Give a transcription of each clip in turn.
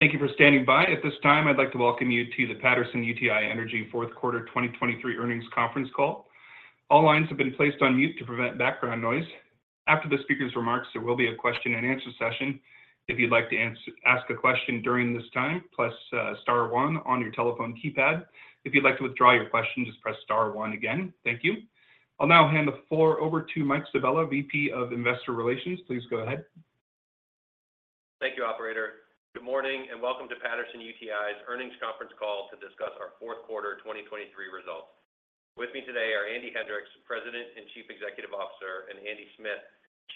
Thank you for standing by. At this time, I'd like to welcome you to the Patterson-UTI Energy Fourth Quarter 2023 Earnings Conference Call. All lines have been placed on mute to prevent background noise. After the speaker's remarks, there will be a question and answer session. If you'd like to ask a question during this time, press star one on your telephone keypad. If you'd like to withdraw your question, just press star one again. Thank you. I'll now hand the floor over to Mike Drickamer, VP of Investor Relations. Please go ahead. Thank you, operator. Good morning, and welcome to Patterson-UTI's earnings conference call to discuss our fourth quarter 2023 results. With me today are Andy Hendricks, President and Chief Executive Officer, and Andy Smith,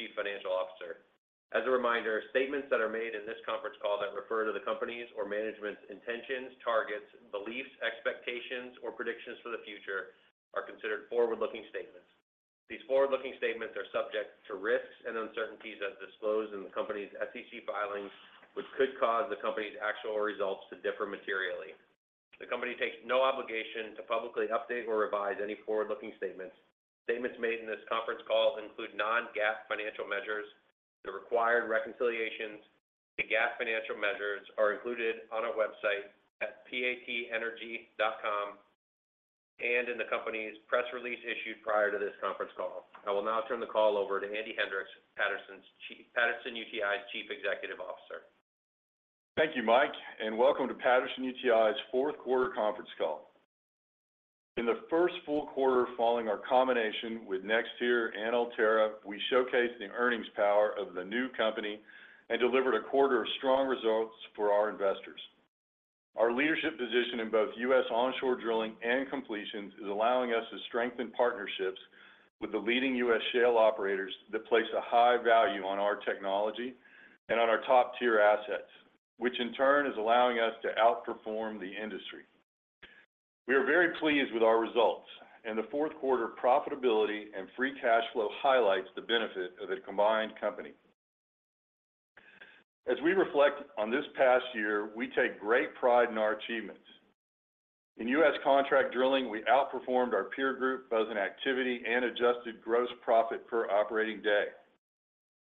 Chief Financial Officer. As a reminder, statements that are made in this conference call that refer to the company's or management's intentions, targets, beliefs, expectations, or predictions for the future are considered forward-looking statements. These forward-looking statements are subject to risks and uncertainties as disclosed in the company's SEC filings, which could cause the company's actual results to differ materially. The company takes no obligation to publicly update or revise any forward-looking statements. Statements made in this conference call include non-GAAP financial measures. The required reconciliations to GAAP financial measures are included on our website at patenergy.com and in the company's press release issued prior to this conference call. I will now turn the call over to Andy Hendricks, Patterson-UTI's Chief Executive Officer. Thank you, Mike, and welcome to Patterson-UTI's fourth quarter conference call. In the first full quarter following our combination with NexTier and Ulterra, we showcased the earnings power of the new company and delivered a quarter of strong results for our investors. Our leadership position in both U.S. onshore drilling and completions is allowing us to strengthen partnerships with the leading U.S. shale operators that place a high value on our technology and on our top-tier assets, which in turn is allowing us to outperform the industry. We are very pleased with our results, and the fourth quarter profitability and free cash flow highlights the benefit of the combined company. As we reflect on this past year, we take great pride in our achievements. In U.S. contract drilling, we outperformed our peer group, both in activity and adjusted gross profit per operating day.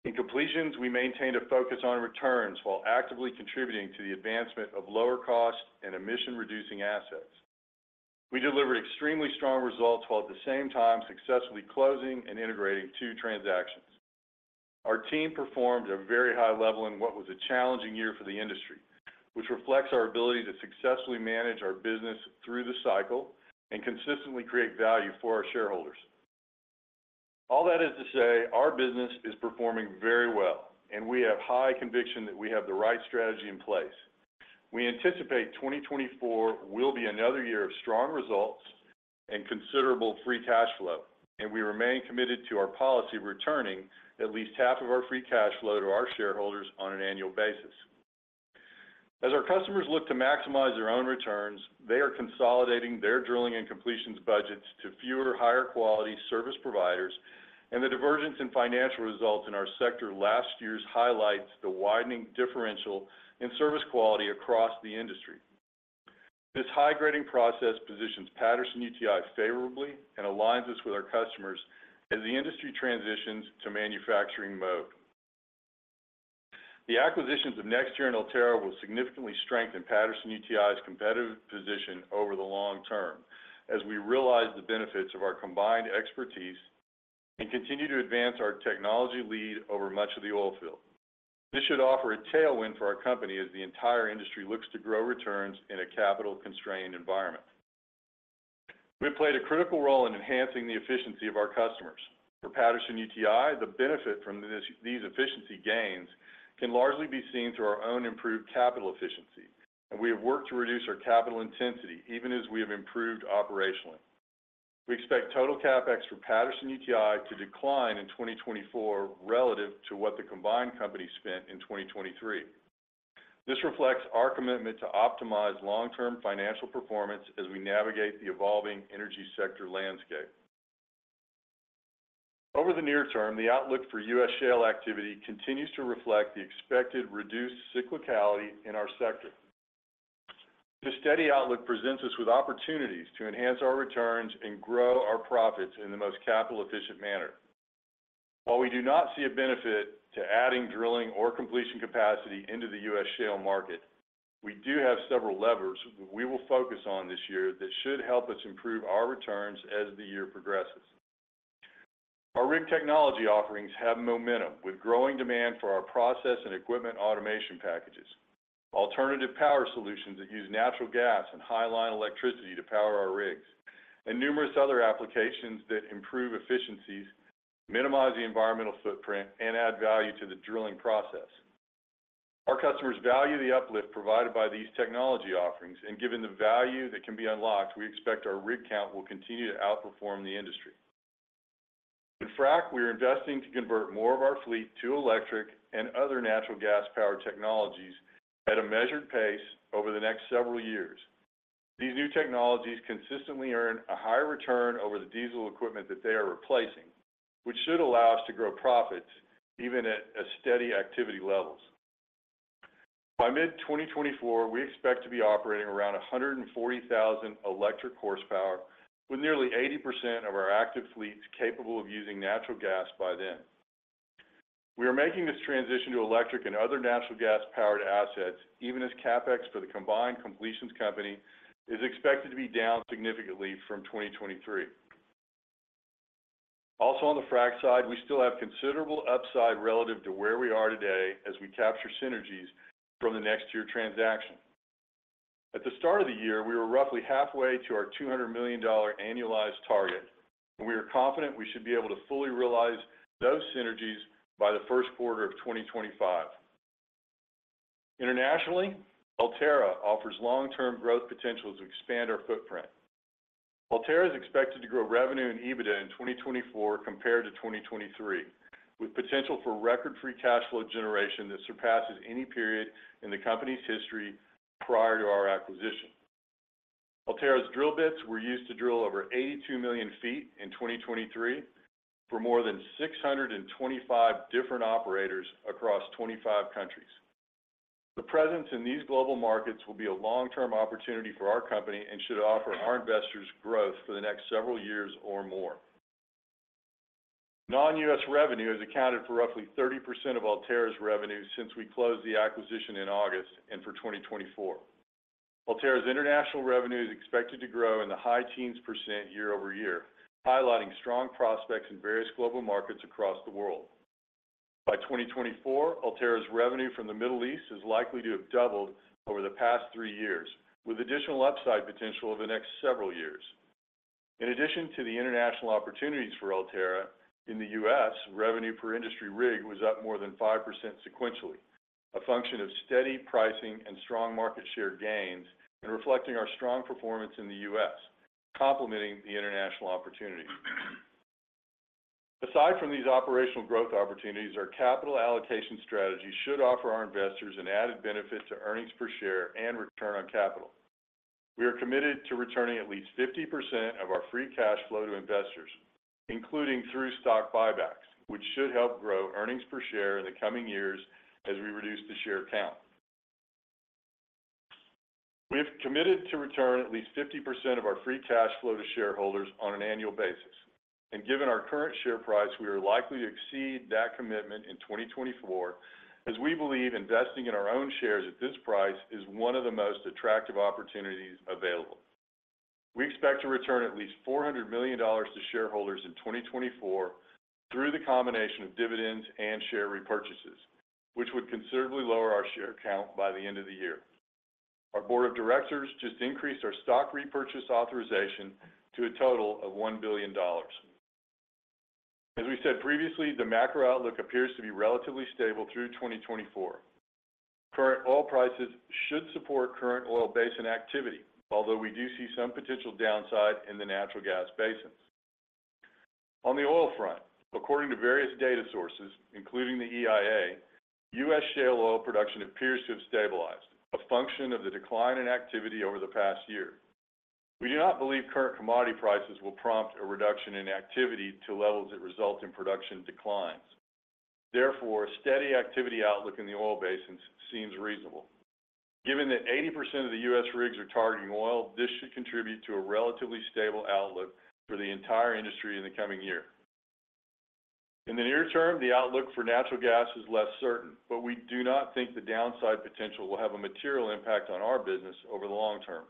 In completions, we maintained a focus on returns while actively contributing to the advancement of lower cost and emission-reducing assets. We delivered extremely strong results, while at the same time successfully closing and integrating two transactions. Our team performed at a very high level in what was a challenging year for the industry, which reflects our ability to successfully manage our business through the cycle and consistently create value for our shareholders. All that is to say, our business is performing very well, and we have high conviction that we have the right strategy in place. We anticipate 2024 will be another year of strong results and considerable free cash flow, and we remain committed to our policy of returning at least half of our free cash flow to our shareholders on an annual basis. As our customers look to maximize their own returns, they are consolidating their drilling and completions budgets to fewer, higher quality service providers, and the divergence in financial results in our sector last year highlights the widening differential in service quality across the industry. This high-grading process positions Patterson-UTI favorably and aligns us with our customers as the industry transitions to manufacturing mode. The acquisitions of NexTier and Ulterra will significantly strengthen Patterson-UTI's competitive position over the long term, as we realize the benefits of our combined expertise and continue to advance our technology lead over much of the oil field. This should offer a tailwind for our company as the entire industry looks to grow returns in a capital-constrained environment. We played a critical role in enhancing the efficiency of our customers. For Patterson-UTI, the benefit from this, these efficiency gains can largely be seen through our own improved capital efficiency, and we have worked to reduce our capital intensity, even as we have improved operationally. We expect total CapEx for Patterson-UTI to decline in 2024 relative to what the combined company spent in 2023. This reflects our commitment to optimize long-term financial performance as we navigate the evolving energy sector landscape. Over the near term, the outlook for U.S. shale activity continues to reflect the expected reduced cyclicality in our sector. This steady outlook presents us with opportunities to enhance our returns and grow our profits in the most capital-efficient manner. While we do not see a benefit to adding drilling or completion capacity into the U.S. shale market, we do have several levers that we will focus on this year that should help us improve our returns as the year progresses. Our rig technology offerings have momentum, with growing demand for our process and equipment automation packages, alternative Power Solutions that use natural gas and high-line electricity to power our rigs, and numerous other applications that improve efficiencies, minimize the environmental footprint, and add value to the drilling process. Our customers value the uplift provided by these technology offerings, and given the value that can be unlocked, we expect our rig count will continue to outperform the industry. In frac, we are investing to convert more of our fleet to electric and other natural gas-powered technologies at a measured pace over the next several years. These new technologies consistently earn a higher return over the diesel equipment that they are replacing, which should allow us to grow profits even at a steady activity levels. By mid-2024, we expect to be operating around 140,000 electric horsepower, with nearly 80% of our active fleets capable of using natural gas by then. We are making this transition to electric and other natural gas-powered assets, even as CapEx for the combined completions company is expected to be down significantly from 2023. Also, on the frac side, we still have considerable upside relative to where we are today as we capture synergies from the NexTier transaction. At the start of the year, we were roughly halfway to our $200 million annualized target, and we are confident we should be able to fully realize those synergies by the first quarter of 2025. Internationally, Ulterra offers long-term growth potential to expand our footprint. Ulterra is expected to grow revenue and EBITDA in 2024 compared to 2023, with potential for record free cash flow generation that surpasses any period in the company's history prior to our acquisition. Ulterra's drill bits were used to drill over 82 million feet in 2023 for more than 625 different operators across 25 countries. The presence in these global markets will be a long-term opportunity for our company and should offer our investors growth for the next several years or more. Non-U.S. revenue has accounted for roughly 30% of Ulterra's revenue since we closed the acquisition in August and for 2024. Ulterra's international revenue is expected to grow in the high teens % year-over-year, highlighting strong prospects in various global markets across the world. By 2024, Ulterra's revenue from the Middle East is likely to have doubled over the past 3 years, with additional upside potential over the next several years. In addition to the international opportunities for Ulterra, in the U.S., revenue per industry rig was up more than 5% sequentially, a function of steady pricing and strong market share gains and reflecting our strong performance in the U.S., complementing the international opportunities. Aside from these operational growth opportunities, our capital allocation strategy should offer our investors an added benefit to earnings per share and return on capital. We are committed to returning at least 50% of our free cash flow to investors, including through stock buybacks, which should help grow earnings per share in the coming years as we reduce the share count. We have committed to return at least 50% of our free cash flow to shareholders on an annual basis, and given our current share price, we are likely to exceed that commitment in 2024, as we believe investing in our own shares at this price is one of the most attractive opportunities available. We expect to return at least $400 million to shareholders in 2024 through the combination of dividends and share repurchases, which would considerably lower our share count by the end of the year. Our board of directors just increased our stock repurchase authorization to a total of $1 billion. As we said previously, the macro outlook appears to be relatively stable through 2024. Current oil prices should support current oil basin activity, although we do see some potential downside in the natural gas basins. On the oil front, according to various data sources, including the EIA, U.S. shale oil production appears to have stabilized, a function of the decline in activity over the past year. We do not believe current commodity prices will prompt a reduction in activity to levels that result in production declines. Therefore, a steady activity outlook in the oil basins seems reasonable. Given that 80% of the U.S. rigs are targeting oil, this should contribute to a relatively stable outlook for the entire industry in the coming year. In the near term, the outlook for natural gas is less certain, but we do not think the downside potential will have a material impact on our business over the long term.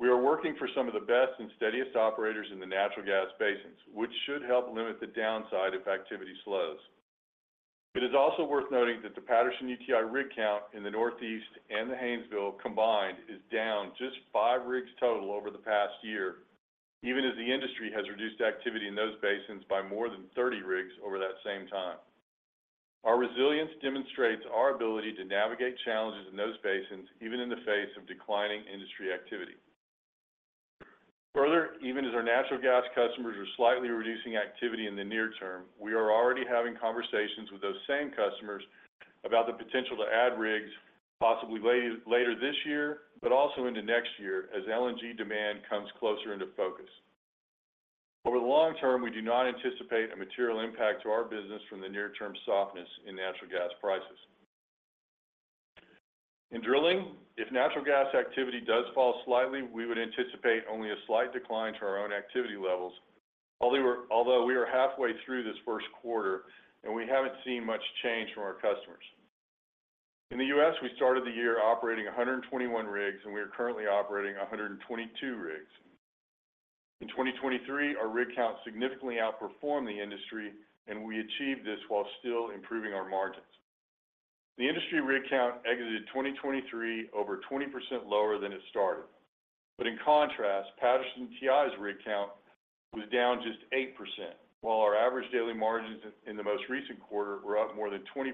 We are working for some of the best and steadiest operators in the natural gas basins, which should help limit the downside if activity slows. It is also worth noting that the Patterson-UTI rig count in the Northeast and the Haynesville combined is down just five rigs total over the past year, even as the industry has reduced activity in those basins by more than 30 rigs over that same time. Our resilience demonstrates our ability to navigate challenges in those basins, even in the face of declining industry activity. Further, even as our natural gas customers are slightly reducing activity in the near term, we are already having conversations with those same customers about the potential to add rigs, possibly later this year, but also into next year as LNG demand comes closer into focus. Over the long term, we do not anticipate a material impact to our business from the near term softness in natural gas prices. In drilling, if natural gas activity does fall slightly, we would anticipate only a slight decline to our own activity levels. Although we are halfway through this first quarter, and we haven't seen much change from our customers. In the U.S., we started the year operating 121 rigs, and we are currently operating 122 rigs. In 2023, our rig count significantly outperformed the industry, and we achieved this while still improving our margins. The industry rig count exited 2023 over 20% lower than it started. But in contrast, Patterson-UTI's rig count was down just 8%, while our average daily margins in the most recent quarter were up more than 20%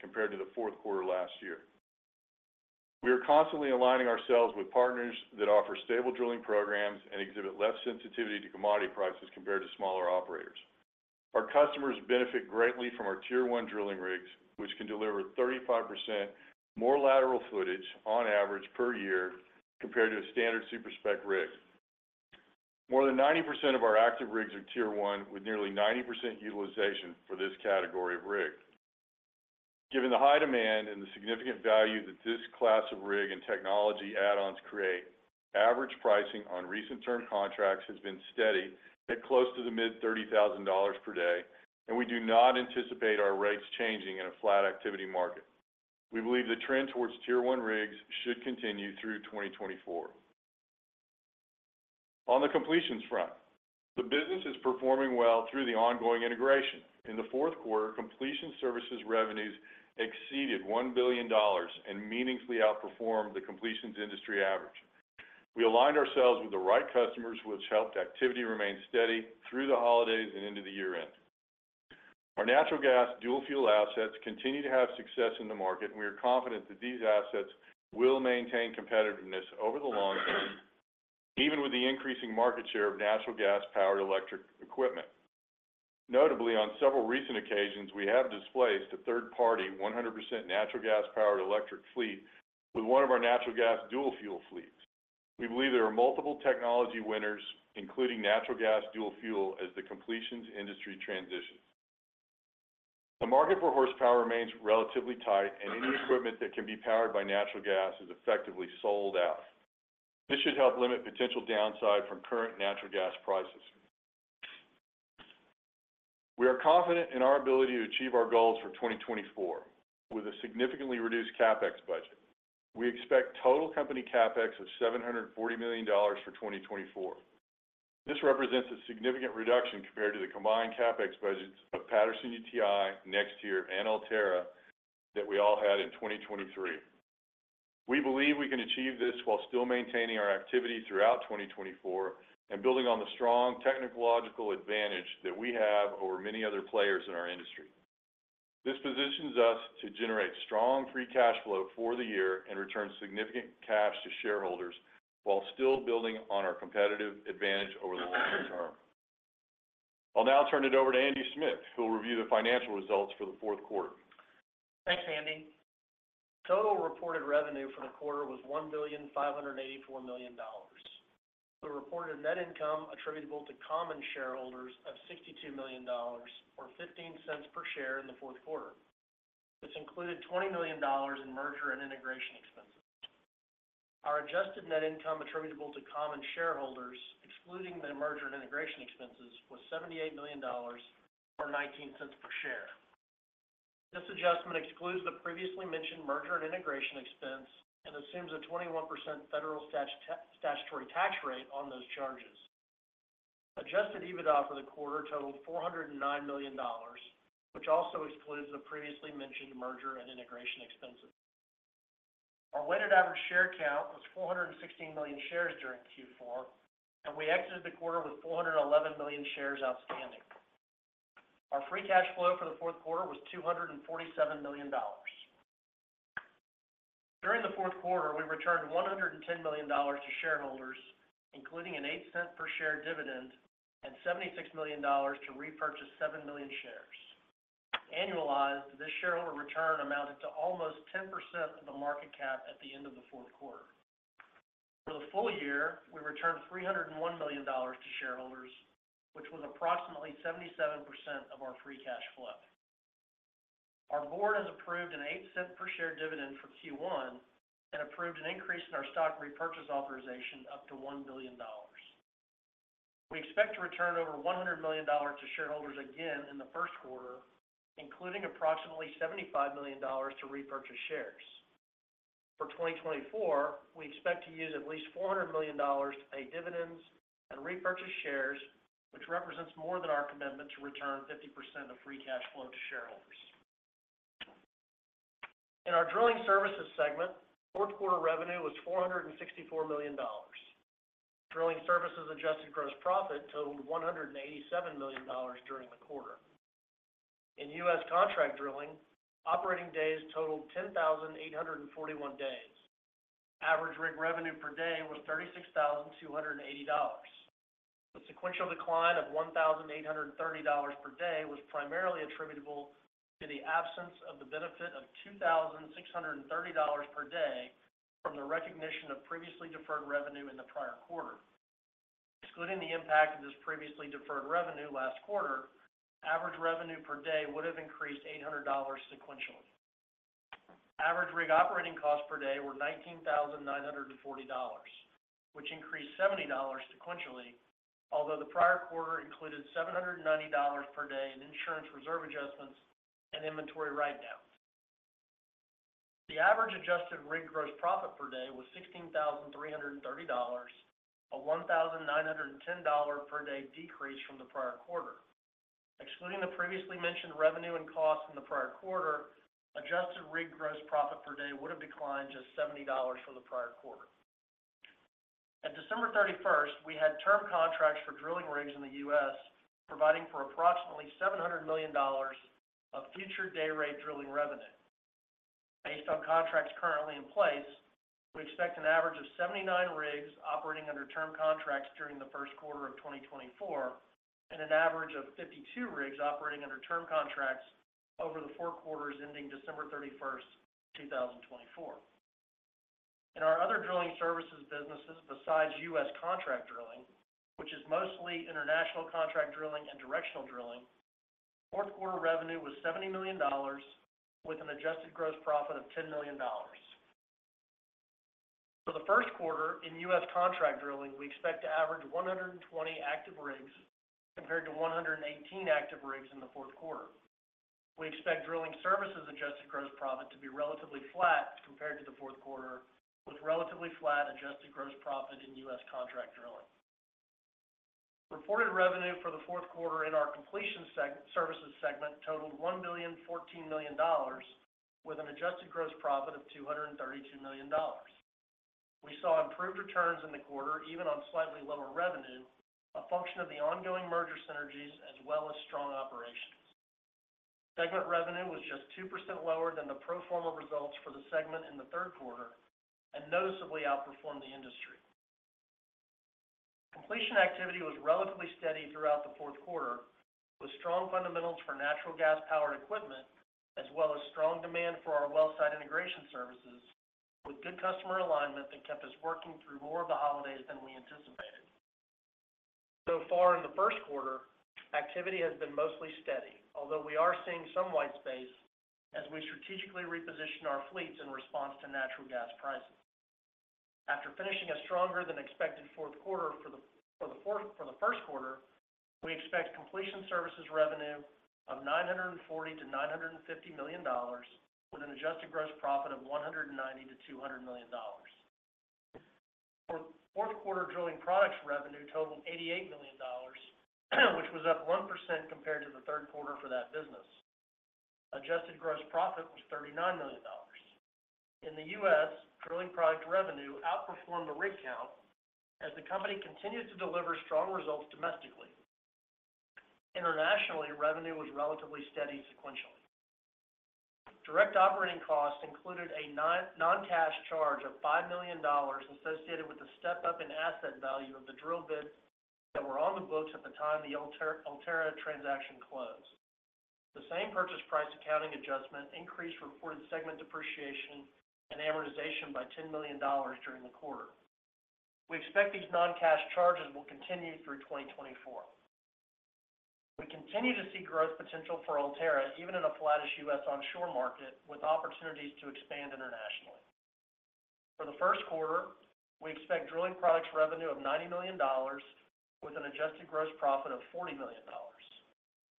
compared to the fourth quarter last year. We are constantly aligning ourselves with partners that offer stable drilling programs and exhibit less sensitivity to commodity prices compared to smaller operators. Our customers benefit greatly from our Tier One drilling rigs, which can deliver 35% more lateral footage on average per year compared to a standard Super Spec rig. More than 90% of our active rigs are Tier One, with nearly 90% utilization for this category of rig. Given the high demand and the significant value that this class of rig and technology add-ons create, average pricing on recent term contracts has been steady at close to the mid-$30,000 per day, and we do not anticipate our rates changing in a flat activity market. We believe the trend towards Tier One rigs should continue through 2024. On the completions front, the business is performing well through the ongoing integration. In the fourth quarter, completion services revenues exceeded $1 billion and meaningfully outperformed the completions industry average. We aligned ourselves with the right customers, which helped activity remain steady through the holidays and into the year-end. Our natural gas dual-fuel assets continue to have success in the market, and we are confident that these assets will maintain competitiveness over the long term, even with the increasing market share of natural gas-powered electric equipment. Notably, on several recent occasions, we have displaced a third-party, 100% natural gas-powered electric fleet with one of our natural gas dual-fuel fleets. We believe there are multiple technology winners, including natural gas dual-fuel, as the completions industry transitions. The market for horsepower remains relatively tight, and any equipment that can be powered by natural gas is effectively sold out. This should help limit potential downside from current natural gas prices. We are confident in our ability to achieve our goals for 2024 with a significantly reduced CapEx budget. We expect total company CapEx of $740 million for 2024. This represents a significant reduction compared to the combined CapEx budgets of Patterson-UTI, NexTier, and Ulterra that we all had in 2023. We believe we can achieve this while still maintaining our activity throughout 2024 and building on the strong technological advantage that we have over many other players in our industry. This positions us to generate strong free cash flow for the year and return significant cash to shareholders while still building on our competitive advantage over the long term. I'll now turn it over to Andy Smith, who will review the financial results for the fourth quarter. Thanks, Andy. Total reported revenue for the quarter was $1.584 billion. The reported net income attributable to common shareholders of $62 million, or $0.15 per share in the fourth quarter. This included $20 million in merger and integration expenses. Our adjusted net income attributable to common shareholders, excluding the merger and integration expenses, was $78 million, or $0.19 per share. This adjustment excludes the previously mentioned merger and integration expense and assumes a 21% federal statutory tax rate on those charges. Adjusted EBITDA for the quarter totaled $409 million, which also excludes the previously mentioned merger and integration expenses. Our weighted average share count was 416 million shares during Q4, and we exited the quarter with 411 million shares outstanding. Our free cash flow for the fourth quarter was $247 million. During the fourth quarter, we returned $110 million to shareholders, including an $0.08 per share dividend and $76 million to repurchase 7 million shares. Annualized, this shareholder return amounted to almost 10% of the market cap at the end of the fourth quarter. For the full year, we returned $301 million to shareholders, which was approximately 77% of our free cash flow. Our board has approved an $0.08 per share dividend for Q1 and approved an increase in our stock repurchase authorization up to $1 billion. We expect to return over $100 million to shareholders again in the first quarter, including approximately $75 million to repurchase shares. For 2024, we expect to use at least $400 million to pay dividends and repurchase shares, which represents more than our commitment to return 50% of free cash flow to shareholders. In our drilling services segment, fourth quarter revenue was $464 million. Drilling services adjusted gross profit totaled $187 million during the quarter. In US contract drilling, operating days totaled 10,841 days. Average rig revenue per day was $36,280. The sequential decline of $1,830 per day was primarily attributable to the absence of the benefit of $2,630 per day from the recognition of previously deferred revenue in the prior quarter. Excluding the impact of this previously deferred revenue last quarter, average revenue per day would have increased $800 sequentially. Average rig operating costs per day were $19,940, which increased $70 sequentially, although the prior quarter included $790 per day in insurance reserve adjustments and inventory write-down. The average adjusted rig gross profit per day was $16,330, a $1,910 dollar per day decrease from the prior quarter. Excluding the previously mentioned revenue and costs in the prior quarter, adjusted rig gross profit per day would have declined just $70 from the prior quarter. At December 31, we had term contracts for drilling rigs in the U.S., providing for approximately $700 million of future day rate drilling revenue. Based on contracts currently in place, we expect an average of 79 rigs operating under term contracts during the first quarter of 2024, and an average of 52 rigs operating under term contracts over the four quarters ending December 31, 2024. In our other drilling services businesses besides U.S. contract drilling, which is mostly international contract drilling and directional drilling, fourth quarter revenue was $70 million, with an adjusted gross profit of $10 million. For the first quarter in U.S. contract drilling, we expect to average 120 active rigs compared to 118 active rigs in the fourth quarter. We expect drilling services adjusted gross profit to be relatively flat compared to the fourth quarter, with relatively flat adjusted gross profit in U.S. contract drilling. Reported revenue for the fourth quarter in our completions services segment totaled $1.014 billion, with an adjusted gross profit of $232 million. We saw improved returns in the quarter, even on slightly lower revenue, a function of the ongoing merger synergies as well as strong operations. Segment revenue was just 2% lower than the pro forma results for the segment in the third quarter and noticeably outperformed the industry. Completion activity was relatively steady throughout the fourth quarter, with strong fundamentals for natural gas-powered equipment, as well as strong demand for our wellsite integration services, with good customer alignment that kept us working through more of the holidays than we anticipated. So far in the first quarter, activity has been mostly steady, although we are seeing some white space as we strategically reposition our fleets in response to natural gas prices. After finishing a stronger than expected fourth quarter, for the first quarter, we expect completion services revenue of $940 million-$950 million, with an adjusted gross profit of $190 million-$200 million. For fourth quarter, drilling products revenue totaled $88 million, which was up 1% compared to the third quarter for that business. Adjusted gross profit was $39 million. In the U.S., drilling product revenue outperformed the rig count as the company continued to deliver strong results domestically. Internationally, revenue was relatively steady sequentially. Direct operating costs included a non-cash charge of $5 million associated with the step up in asset value of the drill bits that were on the books at the time the Ulterra transaction closed. The same purchase price accounting adjustment increased reported segment depreciation and amortization by $10 million during the quarter. We expect these non-cash charges will continue through 2024. We continue to see growth potential for Ulterra, even in a flattish U.S. onshore market, with opportunities to expand internationally. For the first quarter, we expect drilling products revenue of $90 million, with an adjusted gross profit of $40 million.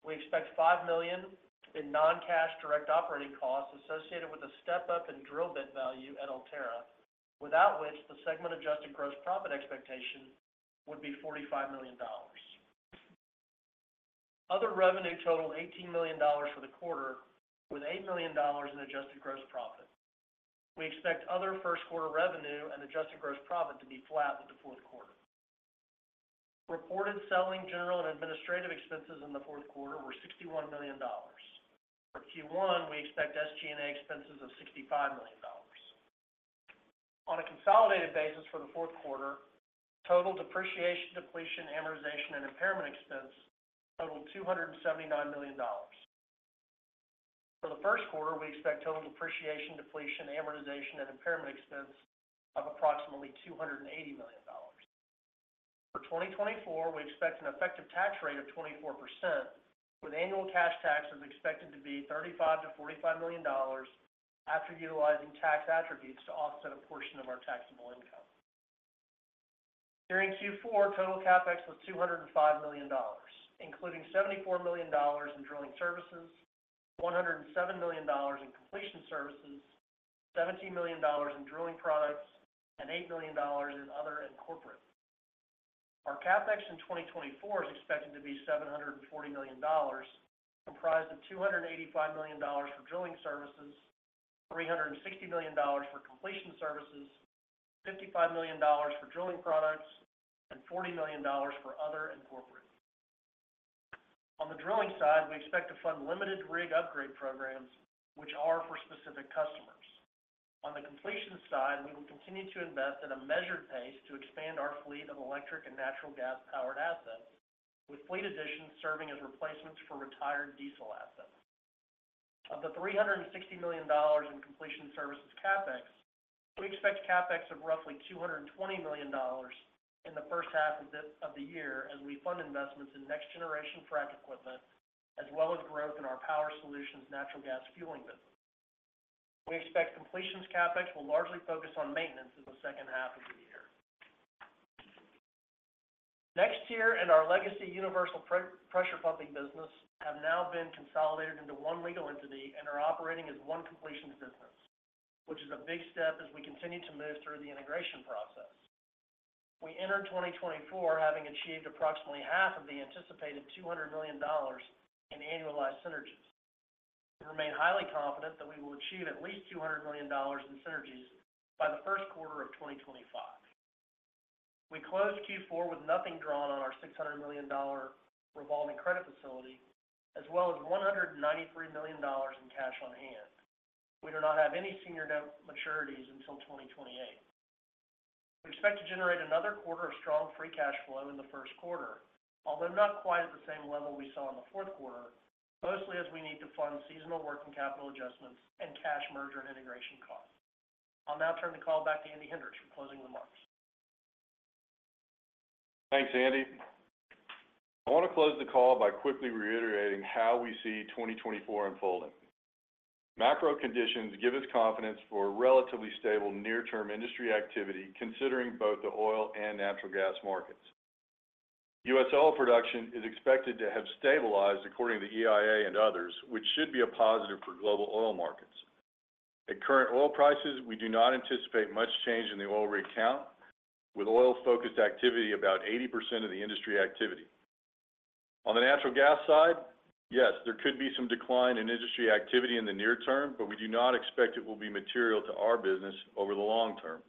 We expect $5 million in non-cash direct operating costs associated with a step up in drill bit value at Ulterra, without which the segment adjusted gross profit expectation would be $45 million. Other revenue totaled $18 million for the quarter, with $8 million in adjusted gross profit. We expect other first quarter revenue and adjusted gross profit to be flat with the fourth quarter. Reported selling, general and administrative expenses in the fourth quarter were $61 million. For Q1, we expect SG&A expenses of $65 million. On a consolidated basis for the fourth quarter, total depreciation, depletion, amortization, and impairment expense totaled $279 million. For the first quarter, we expect total depreciation, depletion, amortization, and impairment expense of approximately $280 million. For 2024, we expect an effective tax rate of 24%, with annual cash taxes expected to be $35 million-$45 million after utilizing tax attributes to offset a portion of our taxable income. During Q4, total CapEx was $205 million, including $74 million in drilling services, $107 million in completion services, $17 million in drilling products, and $8 million in other and corporate. Our CapEx in 2024 is expected to be $740 million, comprised of $285 million for drilling services, $360 million for completion services, $55 million for drilling products, and $40 million for other and corporate. On the drilling side, we expect to fund limited rig upgrade programs, which are for specific customers. On the completion side, we will continue to invest at a measured pace to expand our fleet of electric and natural gas-powered assets, with fleet additions serving as replacements for retired diesel assets. Of the $360 million in completion services CapEx, we expect CapEx of roughly $220 million in the first half of the year as we fund investments in next generation frac equipment, as well as growth in our Power Solutions natural gas fueling business. We expect completions CapEx will largely focus on maintenance in the second half of the year. NexTier and our legacy Universal Pressure Pumping business have now been consolidated into one legal entity and are operating as one completions business, which is a big step as we continue to move through the integration process. We entered 2024, having achieved approximately half of the anticipated $200 million in annualized synergies. We remain highly confident that we will achieve at least $200 million in synergies by the first quarter of 2025. We closed Q4 with nothing drawn on our $600 million revolving credit facility, as well as $193 million in cash on hand. We do not have any senior debt maturities until 2028. We expect to generate another quarter of strong free cash flow in the first quarter, although not quite at the same level we saw in the fourth quarter, mostly as we need to fund seasonal working capital adjustments and cash merger and integration costs. I'll now turn the call back to Andy Hendricks for closing remarks. Thanks, Andy. I wanna close the call by quickly reiterating how we see 2024 unfolding. Macro conditions give us confidence for relatively stable near-term industry activity, considering both the oil and natural gas markets. U.S. oil production is expected to have stabilized, according to the EIA and others, which should be a positive for global oil markets. At current oil prices, we do not anticipate much change in the oil rig count, with oil-focused activity about 80% of the industry activity. On the natural gas side, yes, there could be some decline in industry activity in the near term, but we do not expect it will be material to our business over the long term.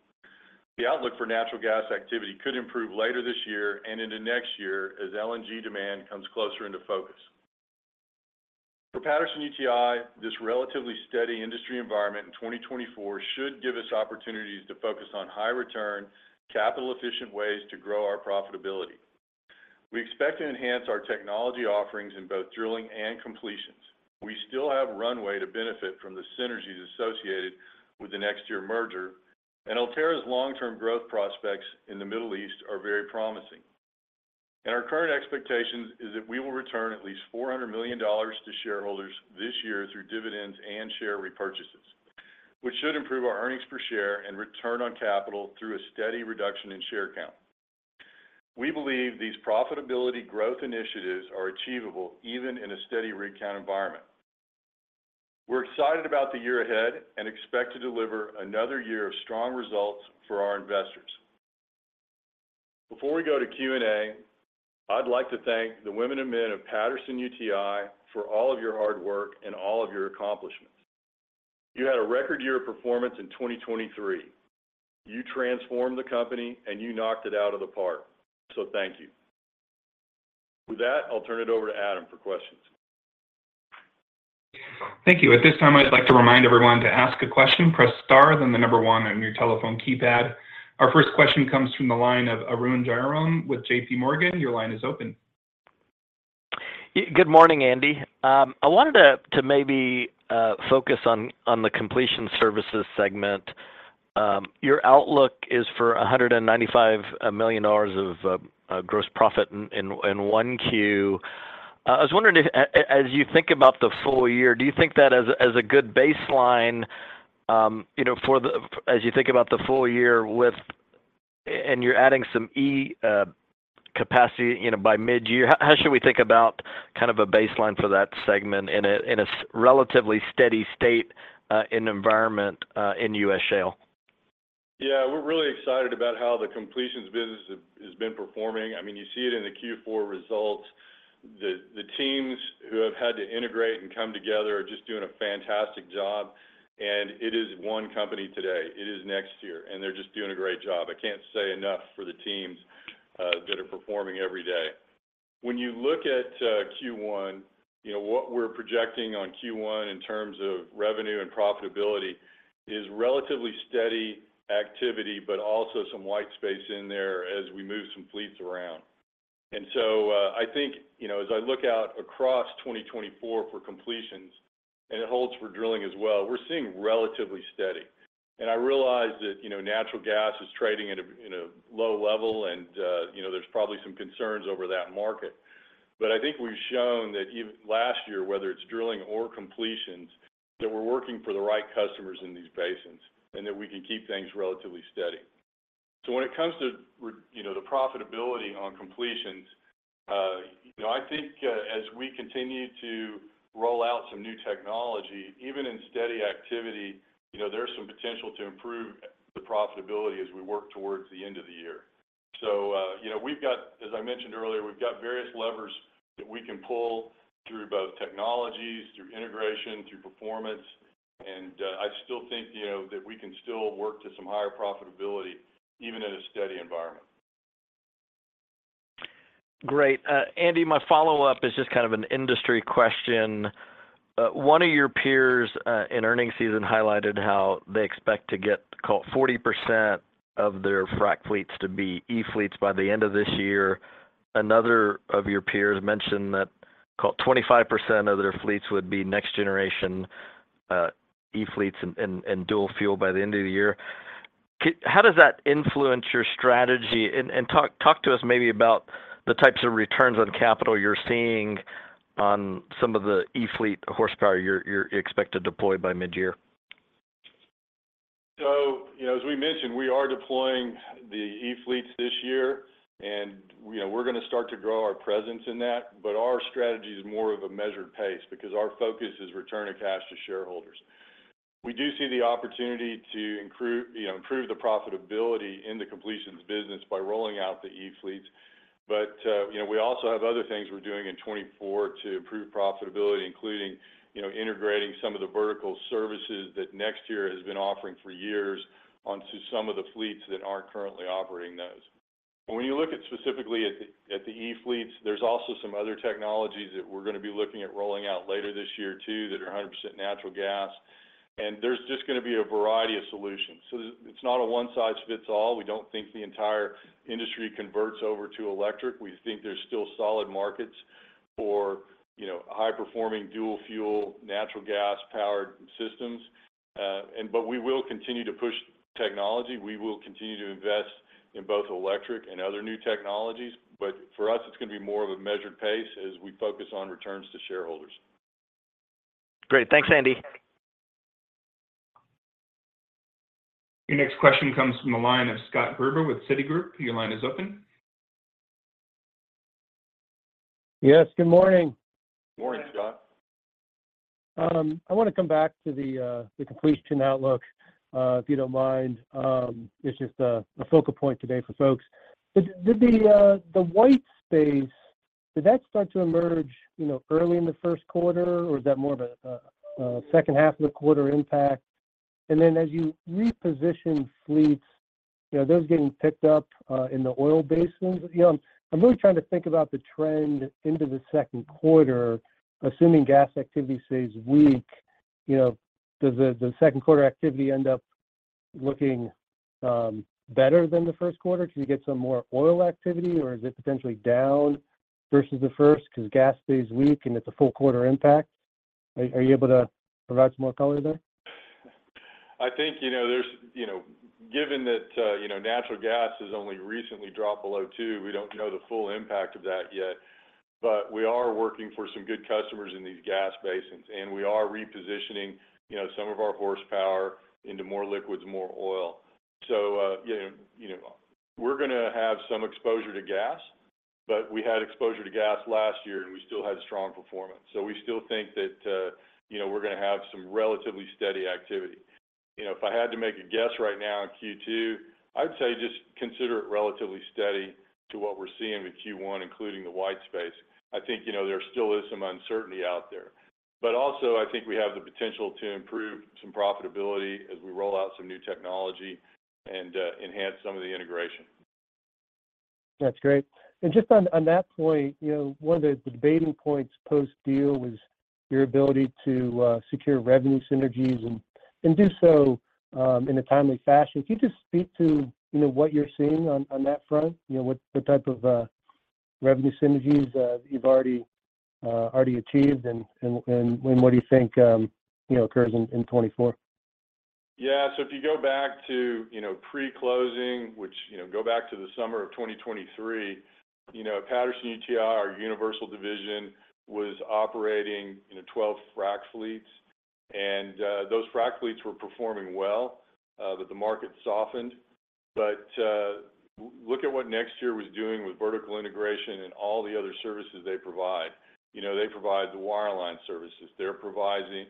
The outlook for natural gas activity could improve later this year and into next year as LNG demand comes closer into focus. For Patterson-UTI, this relatively steady industry environment in 2024 should give us opportunities to focus on high return, capital-efficient ways to grow our profitability. We expect to enhance our technology offerings in both drilling and completions. We still have runway to benefit from the synergies associated with the NexTier merger, and Ulterra's long-term growth prospects in the Middle East are very promising. And our current expectation is that we will return at least $400 million to shareholders this year through dividends and share repurchases, which should improve our earnings per share and return on capital through a steady reduction in share count. We believe these profitability growth initiatives are achievable even in a steady rig count environment. We're excited about the year ahead and expect to deliver another year of strong results for our investors. Before we go to Q&A, I'd like to thank the women and men of Patterson-UTI for all of your hard work and all of your accomplishments. You had a record year of performance in 2023. You transformed the company, and you knocked it out of the park, so thank you. With that, I'll turn it over to Adam for questions. Thank you. At this time, I'd like to remind everyone to ask a question, press *, then the number 1 on your telephone keypad. Our first question comes from the line of Arun Jayaram with J.P. Morgan. Your line is open. Good morning, Andy. I wanted to maybe focus on the completion services segment. Your outlook is for $195 million of gross profit in Q1. I was wondering if, as you think about the full year, do you think that as a good baseline, you know, for the full year with and you're adding some E capacity, you know, by midyear, how should we think about kind of a baseline for that segment in a relatively steady state in environment in U.S. shale? Yeah, we're really excited about how the completions business has been performing. I mean, you see it in the Q4 results. The teams who have had to integrate and come together are just doing a fantastic job, and it is one company today. It is NexTier, and they're just doing a great job. I can't say enough for the teams that are performing every day. When you look at Q1, you know, what we're projecting on Q1 in terms of revenue and profitability is relatively steady activity, but also some white space in there as we move some fleets around. So, I think, you know, as I look out across 2024 for completions, and it holds for drilling as well, we're seeing relatively steady. And I realize that, you know, natural gas is trading at a low level, and you know, there's probably some concerns over that market. But I think we've shown that even last year, whether it's drilling or completions, that we're working for the right customers in these basins and that we can keep things relatively steady. So when it comes to the profitability on completions, you know, I think as we continue to roll out some new technology, even in steady activity, you know, there's some potential to improve the profitability as we work towards the end of the year. So you know, we've got... As I mentioned earlier, we've got various levers that we can pull through both technologies, through integration, through performance, and I still think, you know, that we can still work to some higher profitability, even in a steady environment. Great. Andy, my follow-up is just kind of an industry question. One of your peers in earnings season highlighted how they expect to get, call it, 40% of their frac fleets to be E-fleets by the end of this year. Another of your peers mentioned that, call it, 25% of their fleets would be next generation E-fleets and dual fuel by the end of the year. How does that influence your strategy? And talk to us maybe about the types of returns on capital you're seeing on some of the E-fleet horsepower you're expected to deploy by midyear. So, you know, as we mentioned, we are deploying the E-fleets this year, and, you know, we're gonna start to grow our presence in that, but our strategy is more of a measured pace because our focus is returning cash to shareholders. We do see the opportunity to, you know, improve the profitability in the completions business by rolling out the E-fleets. But, you know, we also have other things we're doing in 2024 to improve profitability, including, you know, integrating some of the vertical services that NexTier has been offering for years onto some of the fleets that aren't currently operating those. When you look at specifically at the, at the E-fleets, there's also some other technologies that we're gonna be looking at rolling out later this year, too, that are 100% natural gas. And there's just gonna be a variety of solutions. So there's—it's not a one-size-fits-all. We don't think the entire industry converts over to electric. We think there's still solid markets for, you know, high-performing, dual-fuel, natural gas-powered systems. But we will continue to push technology. We will continue to invest in both electric and other new technologies. But for us, it's gonna be more of a measured pace as we focus on returns to shareholders. Great. Thanks, Andy. Your next question comes from the line of Scott Gruber with Citigroup. Your line is open. Yes, good morning. Morning, Scott. I wanna come back to the completion outlook, if you don't mind. It's just a focal point today for folks. But did the white space start to emerge, you know, early in the first quarter, or is that more of a second half of the quarter impact? And then, as you reposition fleets, you know, are those getting picked up in the oil basins? You know, I'm really trying to think about the trend into the second quarter, assuming gas activity stays weak. You know, does the second quarter activity end up looking better than the first quarter? Can you get some more oil activity, or is it potentially down versus the first, 'cause gas stays weak, and it's a full quarter impact? Are you able to provide some more color there? I think, you know, there's you know, given that, natural gas has only recently dropped below $2, we don't know the full impact of that yet. But we are working for some good customers in these gas basins, and we are repositioning, you know, some of our horsepower into more liquids, more oil. So, you know, you know, we're gonna have some exposure to gas, but we had exposure to gas last year, and we still had a strong performance. So we still think that, you know, we're gonna have some relatively steady activity. You know, if I had to make a guess right now on Q2, I'd say just consider it relatively steady to what we're seeing with Q1, including the white space. I think, you know, there still is some uncertainty out there. But also, I think we have the potential to improve some profitability as we roll out some new technology and enhance some of the integration. That's great. And just on that point, you know, one of the debating points post-deal was your ability to secure revenue synergies and do so in a timely fashion. Can you just speak to, you know, what you're seeing on that front? You know, what type of revenue synergies you've already achieved, and what do you think, you know, occurs in 2024? Yeah. So if you go back to, you know, pre-closing, which, you know, go back to the summer of 2023, you know, Patterson-UTI, our Universal division, was operating 12 frac fleets. And, those frac fleets were performing well, but the market softened. But, look at what NexTier was doing with vertical integration and all the other services they provide. You know, they provide the wireline services. They're providing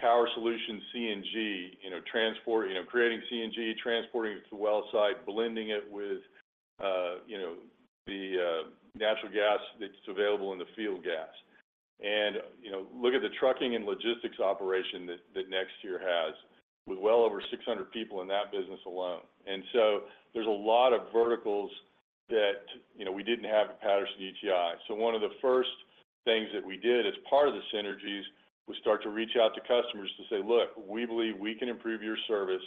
Power Solutions, CNG, you know, transport. You know, creating CNG, transporting it to the well site, blending it with, you know, the natural gas that's available in the field gas. And, you know, look at the trucking and logistics operation that NexTier has, with well over 600 people in that business alone. And so there's a lot of verticals that, you know, we didn't have at Patterson-UTI. So one of the first things that we did as part of the synergies was start to reach out to customers to say: "Look, we believe we can improve your service,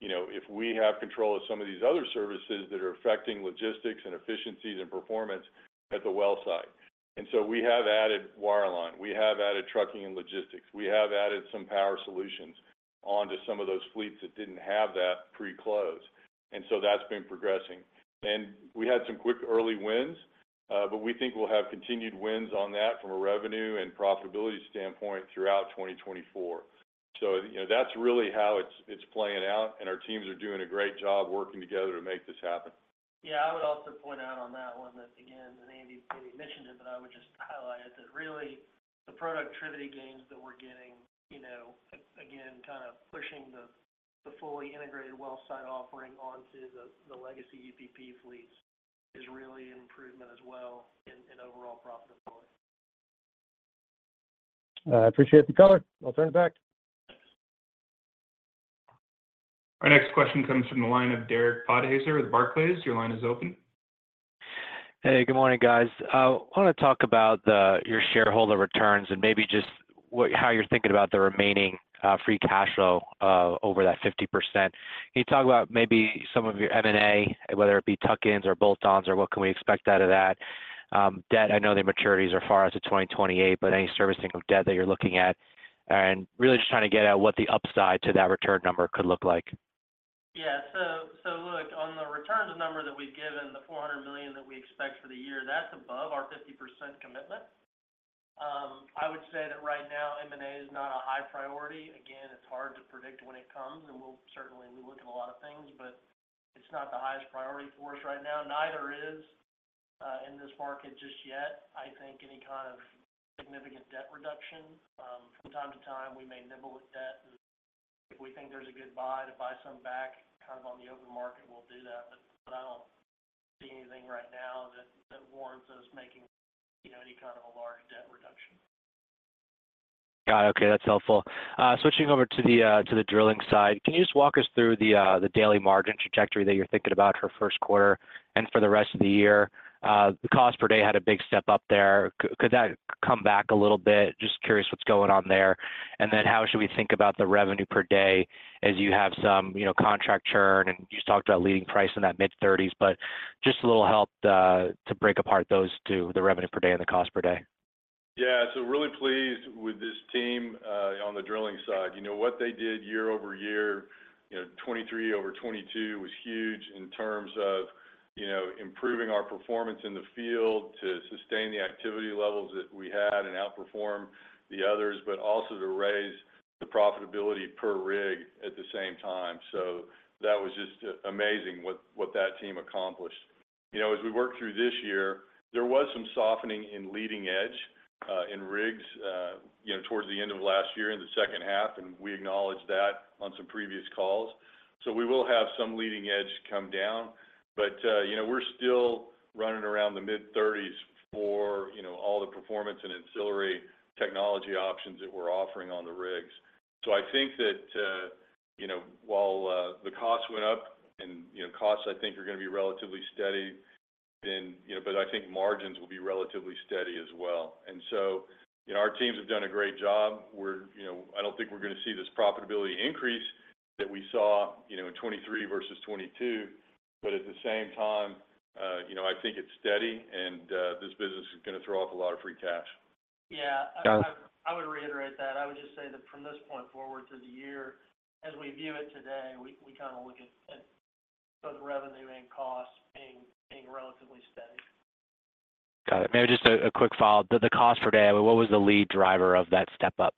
you know, if we have control of some of these other services that are affecting logistics and efficiencies and performance at the well site." And so we have added wireline, we have added trucking and logistics, we have added some Power Solutions onto some of those fleets that didn't have that pre-close, and so that's been progressing. And we had some quick early wins, but we think we'll have continued wins on that from a revenue and profitability standpoint throughout 2024. You know, that's really how it's playing out, and our teams are doing a great job working together to make this happen. Yeah. I would also point out on that one, that, again, and Andy maybe mentioned it, but I would just highlight it, that really, the productivity gains that we're getting, you know, again, kind of pushing the fully integrated well site offering onto the legacy UPP fleets, is really an improvement as well in overall profitability. I appreciate the color. I'll turn it back. Our next question comes from the line of Derek Podhaizer with Barclays. Your line is open. Hey, good morning, guys. I wanna talk about your shareholder returns and maybe just how you're thinking about the remaining free cash flow over that 50%. Can you talk about maybe some of your M&A, whether it be tuck-ins or bolt-ons, or what can we expect out of that? Debt, I know the maturities are far as to 2028, but any servicing of debt that you're looking at? And really just trying to get at what the upside to that return number could look like. Yeah. So, so look, on the returns number that we've given, the $400 million that we expect for the year, that's above our 50% commitment. I would say that right now, M&A is not a high priority. Again, it's hard to predict when it comes, and we'll certainly, we look at a lot of things, but it's not the highest priority for us right now. Neither is, in this market just yet, I think, any kind of significant debt reduction. From time to time, we may nibble with debt. If we think there's a good buy to buy some back, kind of on the open market, we'll do that. But, but I don't see anything right now that, that warrants us making, you know, any kind of a large debt reduction.... Got it. Okay, that's helpful. Switching over to the, to the drilling side, can you just walk us through the, the daily margin trajectory that you're thinking about for first quarter and for the rest of the year? The cost per day had a big step up there. Could that come back a little bit? Just curious what's going on there. And then how should we think about the revenue per day as you have some, you know, contract churn, and you just talked about leading price in that mid-thirties. But just a little help, to break apart those two, the revenue per day and the cost per day. Yeah. So really pleased with this team on the drilling side. You know what they did year over year, you know, 2023 over 2022 was huge in terms of, you know, improving our performance in the field to sustain the activity levels that we had and outperform the others, but also to raise the profitability per rig at the same time. So that was just amazing what that team accomplished. You know, as we worked through this year, there was some softening in leading edge in rigs, you know, towards the end of last year in the second half, and we acknowledged that on some previous calls. So we will have some leading edge come down, but, you know, we're still running around the mid-30s for, you know, all the performance and ancillary technology options that we're offering on the rigs. I think that, you know, while the costs went up and, you know, costs I think are gonna be relatively steady then. You know, but I think margins will be relatively steady as well. And so, you know, our teams have done a great job. We're, you know, I don't think we're gonna see this profitability increase that we saw, you know, in 2023 versus 2022, but at the same time, you know, I think it's steady and this business is gonna throw off a lot of free cash. Yeah, I- Got it. I would reiterate that. I would just say that from this point forward through the year, as we view it today, we kinda look at both revenue and costs being relatively steady. Got it. Maybe just a quick follow. The cost per day, what was the lead driver of that step up?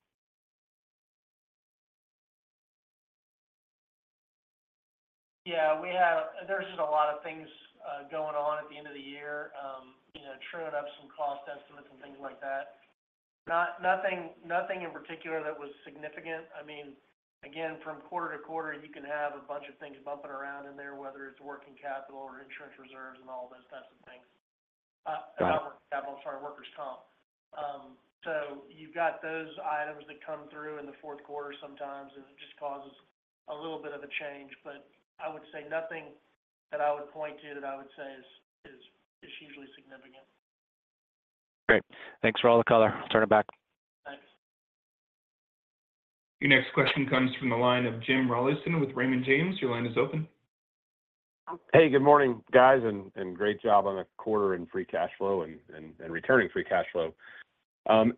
Yeah, we have. There's just a lot of things going on at the end of the year. You know, truing up some cost estimates and things like that. Nothing in particular that was significant. I mean, again, from quarter to quarter, you can have a bunch of things bumping around in there, whether it's working capital or insurance reserves and all those types of things. Got it. Capital, sorry, workers' comp. So you've got those items that come through in the fourth quarter sometimes, and it just causes a little bit of a change. But I would say nothing that I would point to that I would say is hugely significant. Great. Thanks for all the color. Turn it back. Thanks. Your next question comes from the line of Jim Rollyson with Raymond James. Your line is open. Hey, good morning, guys, and great job on the quarter in free cash flow and returning free cash flow.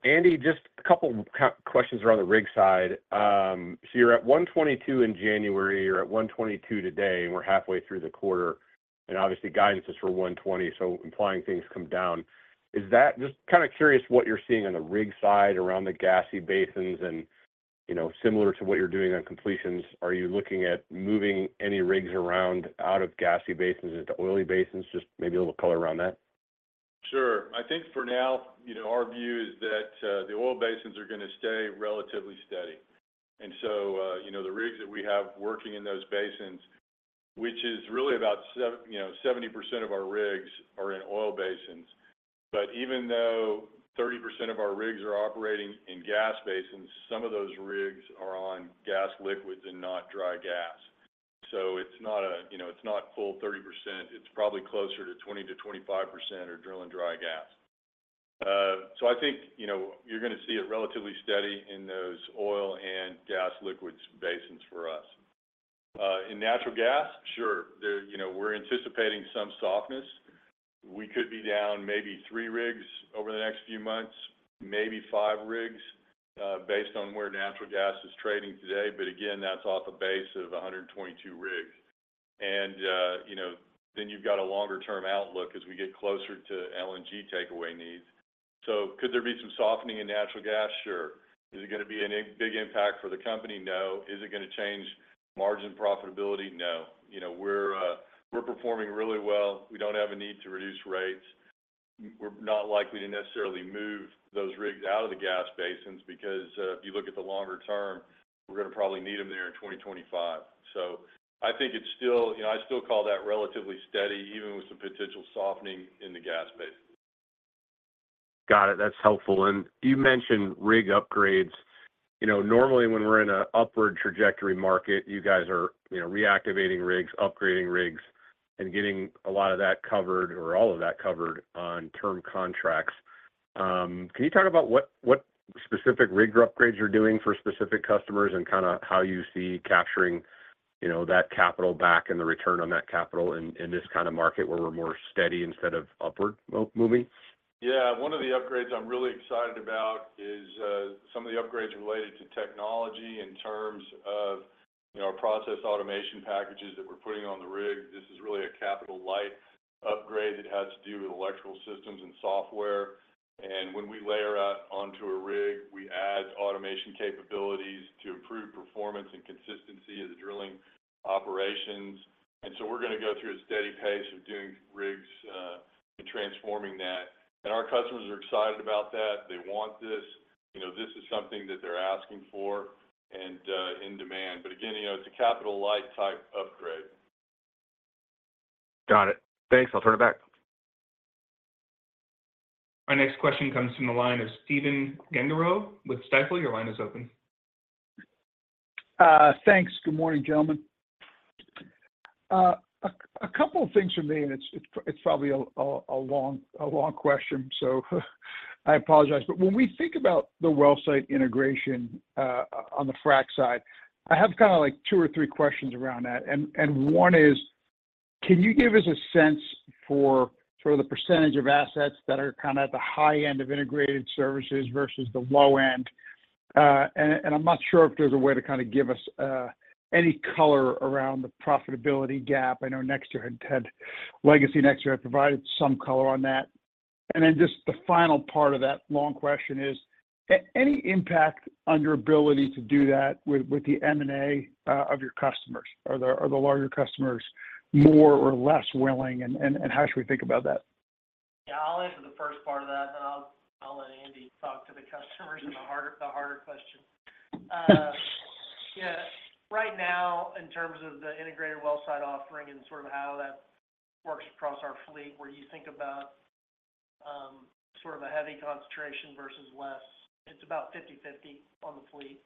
Andy, just a couple questions around the rig side. So you're at 122 in January, you're at 122 today, and we're halfway through the quarter, and obviously guidance is for 120, so implying things come down. Is that... Just kinda curious what you're seeing on the rig side, around the gassy basins and, you know, similar to what you're doing on completions, are you looking at moving any rigs around out of gassy basins into oily basins? Just maybe a little color around that. Sure. I think for now, you know, our view is that the oil basins are gonna stay relatively steady. So, you know, the rigs that we have working in those basins, which is really about 70% of our rigs are in oil basins. But even though 30% of our rigs are operating in gas basins, some of those rigs are on gas liquids and not dry gas. So it's not, you know, it's not full 30%, it's probably closer to 20%-25% are drilling dry gas. So I think, you know, you're gonna see it relatively steady in those oil and gas liquids basins for us. In natural gas, sure, we're anticipating some softness. We could be down maybe 3 rigs over the next few months, maybe 5 rigs, based on where natural gas is trading today, but again, that's off a base of 122 rigs. And, you know, then you've got a longer-term outlook as we get closer to LNG takeaway needs. So could there be some softening in natural gas? Sure. Is it gonna be a big impact for the company? No. Is it gonna change margin profitability? No. You know, we're performing really well. We don't have a need to reduce rates. We're not likely to necessarily move those rigs out of the gas basins, because if you look at the longer term, we're gonna probably need them there in 2025. So I think it's still... You know, I still call that relatively steady, even with some potential softening in the gas basin. Got it. That's helpful. And you mentioned rig upgrades. You know, normally, when we're in an upward trajectory market, you guys are, you know, reactivating rigs, upgrading rigs, and getting a lot of that covered, or all of that covered on term contracts. Can you talk about what specific rig upgrades you're doing for specific customers and kinda how you see capturing, you know, that capital back and the return on that capital in this kind of market where we're more steady instead of upward moving? Yeah. One of the upgrades I'm really excited about is some of the upgrades related to technology in terms of, you know, our process automation packages that we're putting on the rig. This is really a capital light upgrade that has to do with electrical systems and software. And when we layer that onto a rig, we add automation capabilities to improve performance and consistency of the drilling operations. And so we're gonna go through a steady pace of doing rigs and transforming that. And our customers are excited about that. They want this. You know, this is something that they're asking for and in demand. But again, you know, it's a capital light type upgrade.... Got it. Thanks. I'll turn it back. Our next question comes from the line of Stephen Gengaro with Stifel. Your line is open. Thanks. Good morning, gentlemen. A couple of things from me, and it's probably a long question, so I apologize. But when we think about the well site integration on the frac side, I have kind of like two or three questions around that. And one is: Can you give us a sense for sort of the percentage of assets that are kind of at the high end of integrated services versus the low end? And I'm not sure if there's a way to kind of give us any color around the profitability gap. I know NexTier had—said, Legacy NexTier had provided some color on that. And then just the final part of that long question is any impact on your ability to do that with the M&A of your customers? Are the larger customers more or less willing, and how should we think about that? Yeah, I'll answer the first part of that, and then I'll let Andy talk to the customers and the harder question. Yeah, right now, in terms of the integrated well site offering and sort of how that works across our fleet, where you think about sort of a heavy concentration versus less, it's about 50/50 on the fleet.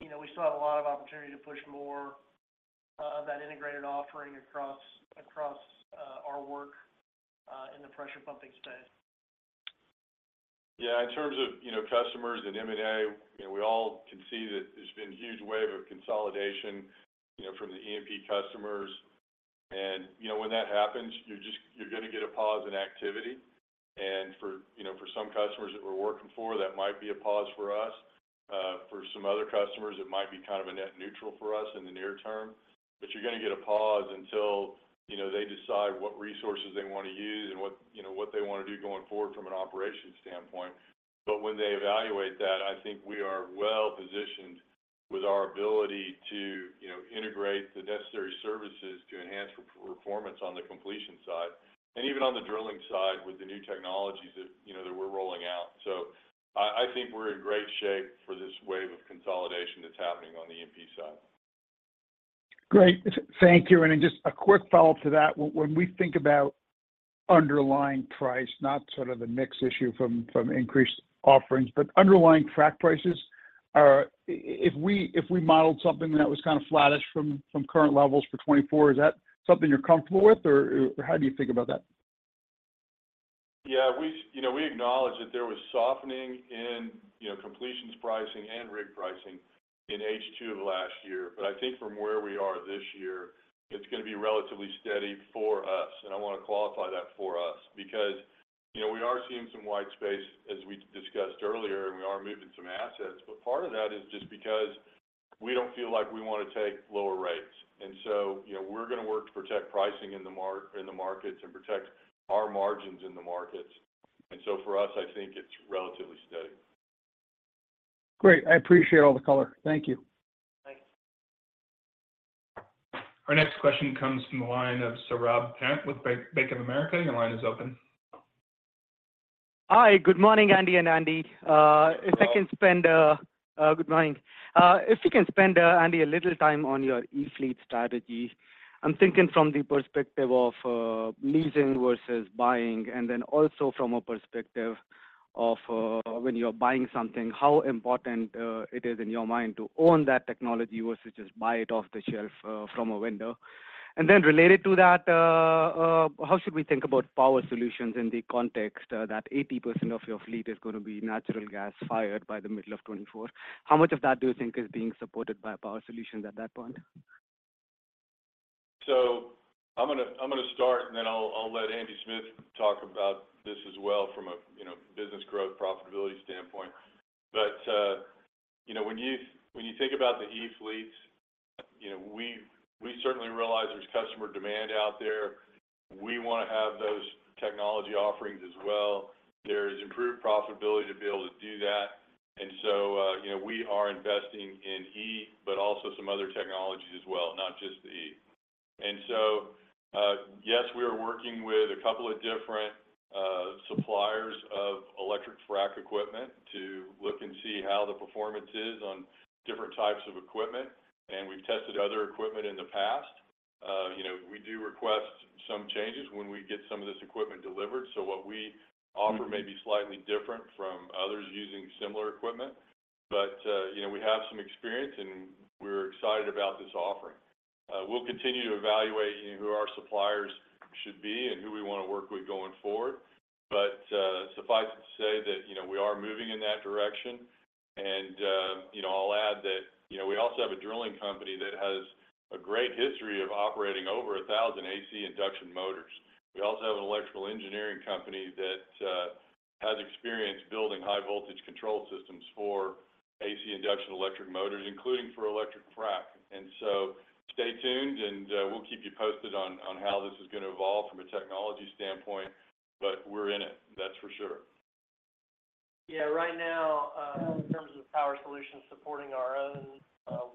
You know, we still have a lot of opportunity to push more of that integrated offering across our work in the pressure pumping space. Yeah, in terms of, you know, customers and M&A, you know, we all can see that there's been a huge wave of consolidation, you know, from the E&P customers. When that happens, you're gonna get a pause in activity. For some customers that we're working for, that might be a pause for us. For some other customers, it might be kind of a net neutral for us in the near term. But you're gonna get a pause until, you know, they decide what resources they want to use and what, you know, what they want to do going forward from an operations standpoint. But when they evaluate that, I think we are well positioned with our ability to, you know, integrate the necessary services to enhance performance on the completion side, and even on the drilling side with the new technologies that, you know, that we're rolling out. So I think we're in great shape for this wave of consolidation that's happening on the E&P side. Great. Thank you. And then just a quick follow-up to that. When we think about underlying price, not sort of the mix issue from increased offerings, but underlying frac prices, are if we modeled something that was kind of flattish from current levels for 2024, is that something you're comfortable with, or how do you think about that? Yeah, we, you know, we acknowledge that there was softening in, you know, completions pricing and rig pricing in H2 of last year. But I think from where we are this year, it's gonna be relatively steady for us. And I want to qualify that for us because, you know, we are seeing some white space, as we discussed earlier, and we are moving some assets, but part of that is just because we don't feel like we want to take lower rates. And so, you know, we're gonna work to protect pricing in the markets and protect our margins in the markets. And so for us, I think it's relatively steady. Great. I appreciate all the color. Thank you. Thanks. Our next question comes from the line of Saurabh Pant with Bank of America. Your line is open. Hi. Good morning, Andy and Andy. Good morning. Good morning. If you can spend, Andy, a little time on your e-fleet strategy. I'm thinking from the perspective of leasing versus buying, and then also from a perspective of when you're buying something, how important it is in your mind to own that technology versus just buy it off the shelf from a vendor? And then related to that, how should we think about Power Solutions in the context that 80% of your fleet is gonna be natural gas-fired by the middle of 2024? How much of that do you think is being supported by Power Solutions at that point? So I'm gonna start, and then I'll let Andy Smith talk about this as well from a, you know, business growth, profitability standpoint. But, you know, when you think about the e-fleets, you know, we certainly realize there's customer demand out there. We want to have those technology offerings as well. There is improved profitability to be able to do that. And so, you know, we are investing in E, but also some other technologies as well, not just E. And so, yes, we are working with a couple of different suppliers of electric frac equipment to look and see how the performance is on different types of equipment, and we've tested other equipment in the past. You know, we do request some changes when we get some of this equipment delivered, so what we offer-... may be slightly different from others using similar equipment. But, you know, we have some experience, and we're excited about this offering. We'll continue to evaluate, you know, who our suppliers should be and who we want to work with going forward. But, suffice it to say that, you know, we are moving in that direction. And, you know, I'll add that, you know, we also have a drilling company that has a great history of operating over a thousand AC induction motors. We also have an electrical engineering company that has experience building high-voltage control systems for AC induction electric motors, including for electric frac. And so stay tuned, and we'll keep you posted on how this is gonna evolve from a technology standpoint, but we're in it. That's for sure. Yeah, right now, in terms of Power Solutions supporting our own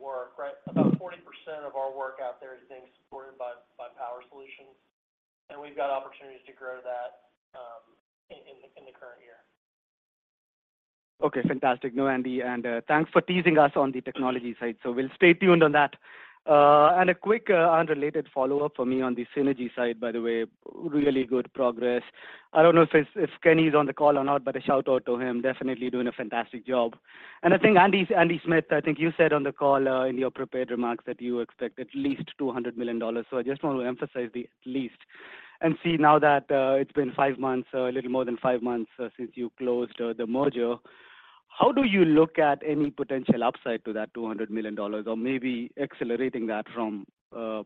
work, right, about 40% of our work out there is being supported by Power Solutions, and we've got opportunities to grow that in the current year.... Okay, fantastic. No, Andy, and, thanks for teasing us on the technology side. So we'll stay tuned on that. And a quick, unrelated follow-up for me on the synergy side, by the way, really good progress. I don't know if Kenny is on the call or not, but a shout-out to him, definitely doing a fantastic job. And I think Andy, Andy Smith, I think you said on the call, in your prepared remarks that you expect at least $200 million. So I just want to emphasize the at least. See, now that it's been five months, a little more than five months, since you closed the merger, how do you look at any potential upside to that $200 million or maybe accelerating that from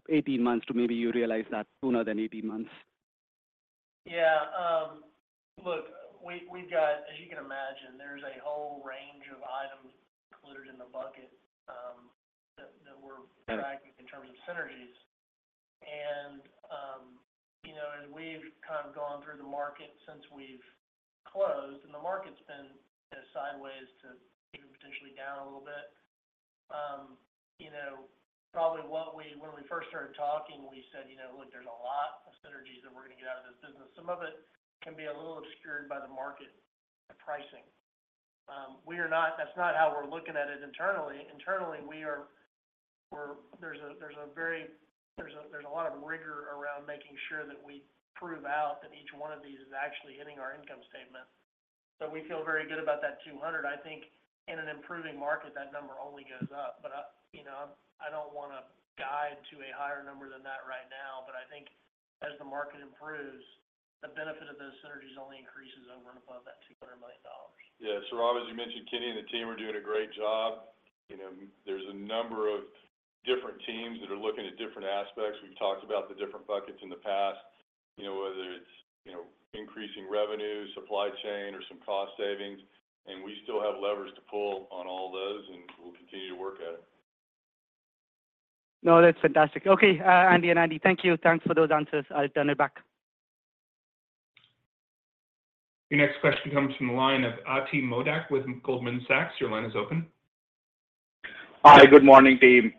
18 months to maybe you realize that sooner than 18 months? Yeah, look, we, we've got—as you can imagine, there's a whole range of items included in the bucket that, that we're tracking-... in terms of synergies. And, you know, as we've kind of gone through the market since we've closed, and the market's been sideways to even potentially down a little bit. You know, probably when we first started talking, we said, "You know, look, there's a lot of synergies that we're going to get out of this business." Some of it can be a little obscured by the market, the pricing. We are not-- that's not how we're looking at it internally. Internally, we are-- we're-- there's a lot of rigor around making sure that we prove out that each one of these is actually hitting our income statement. So we feel very good about that 200. I think in an improving market, that number only goes up. But, you know, I don't want to guide to a higher number than that right now, but I think as the market improves, the benefit of those synergies only increases over and above that $200 million. Yeah. So Rob, as you mentioned, Kenny and the team are doing a great job. You know, there's a number of different teams that are looking at different aspects. We've talked about the different buckets in the past, you know, whether it's, you know, increasing revenue, supply chain, or some cost savings, and we still have levers to pull on all those, and we'll continue to work at it. No, that's fantastic. Okay, Andy and Andy, thank you. Thanks for those answers. I'll turn it back. Your next question comes from the line of Ati Modak with Goldman Sachs. Your line is open. Hi, good morning, team.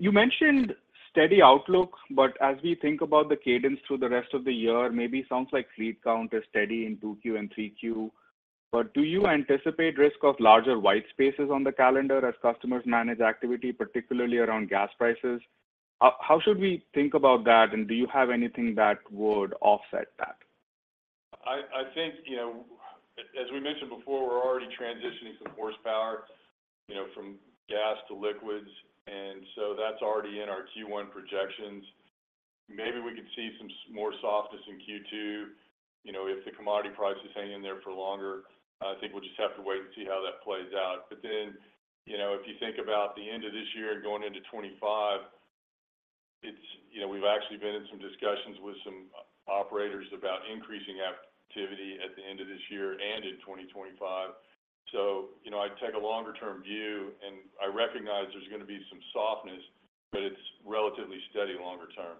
You mentioned steady outlook, but as we think about the cadence through the rest of the year, maybe sounds like fleet count is steady in 2Q and 3Q. But do you anticipate risk of larger white spaces on the calendar as customers manage activity, particularly around gas prices? How, how should we think about that, and do you have anything that would offset that? I think, you know, as we mentioned before, we're already transitioning some horsepower, you know, from gas to liquids, and so that's already in our Q1 projections. Maybe we could see some more softness in Q2, you know, if the commodity prices hang in there for longer. I think we'll just have to wait and see how that plays out. But then, you know, if you think about the end of this year going into 25, it's... You know, we've actually been in some discussions with some operators about increasing activity at the end of this year and in 2025. So, you know, I take a longer-term view, and I recognize there's going to be some softness, but it's relatively steady longer term.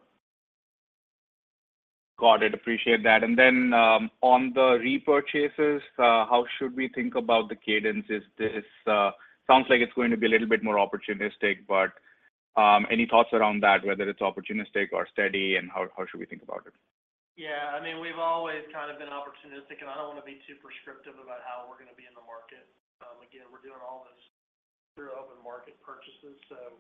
Got it. Appreciate that. And then, on the repurchases, how should we think about the cadence? Is this sounds like it's going to be a little bit more opportunistic, but, any thoughts around that, whether it's opportunistic or steady, and how, how should we think about it? Yeah, I mean, we've always kind of been opportunistic, and I don't want to be too prescriptive about how we're going to be in the market. Again, we're doing all this through open market purchases, so,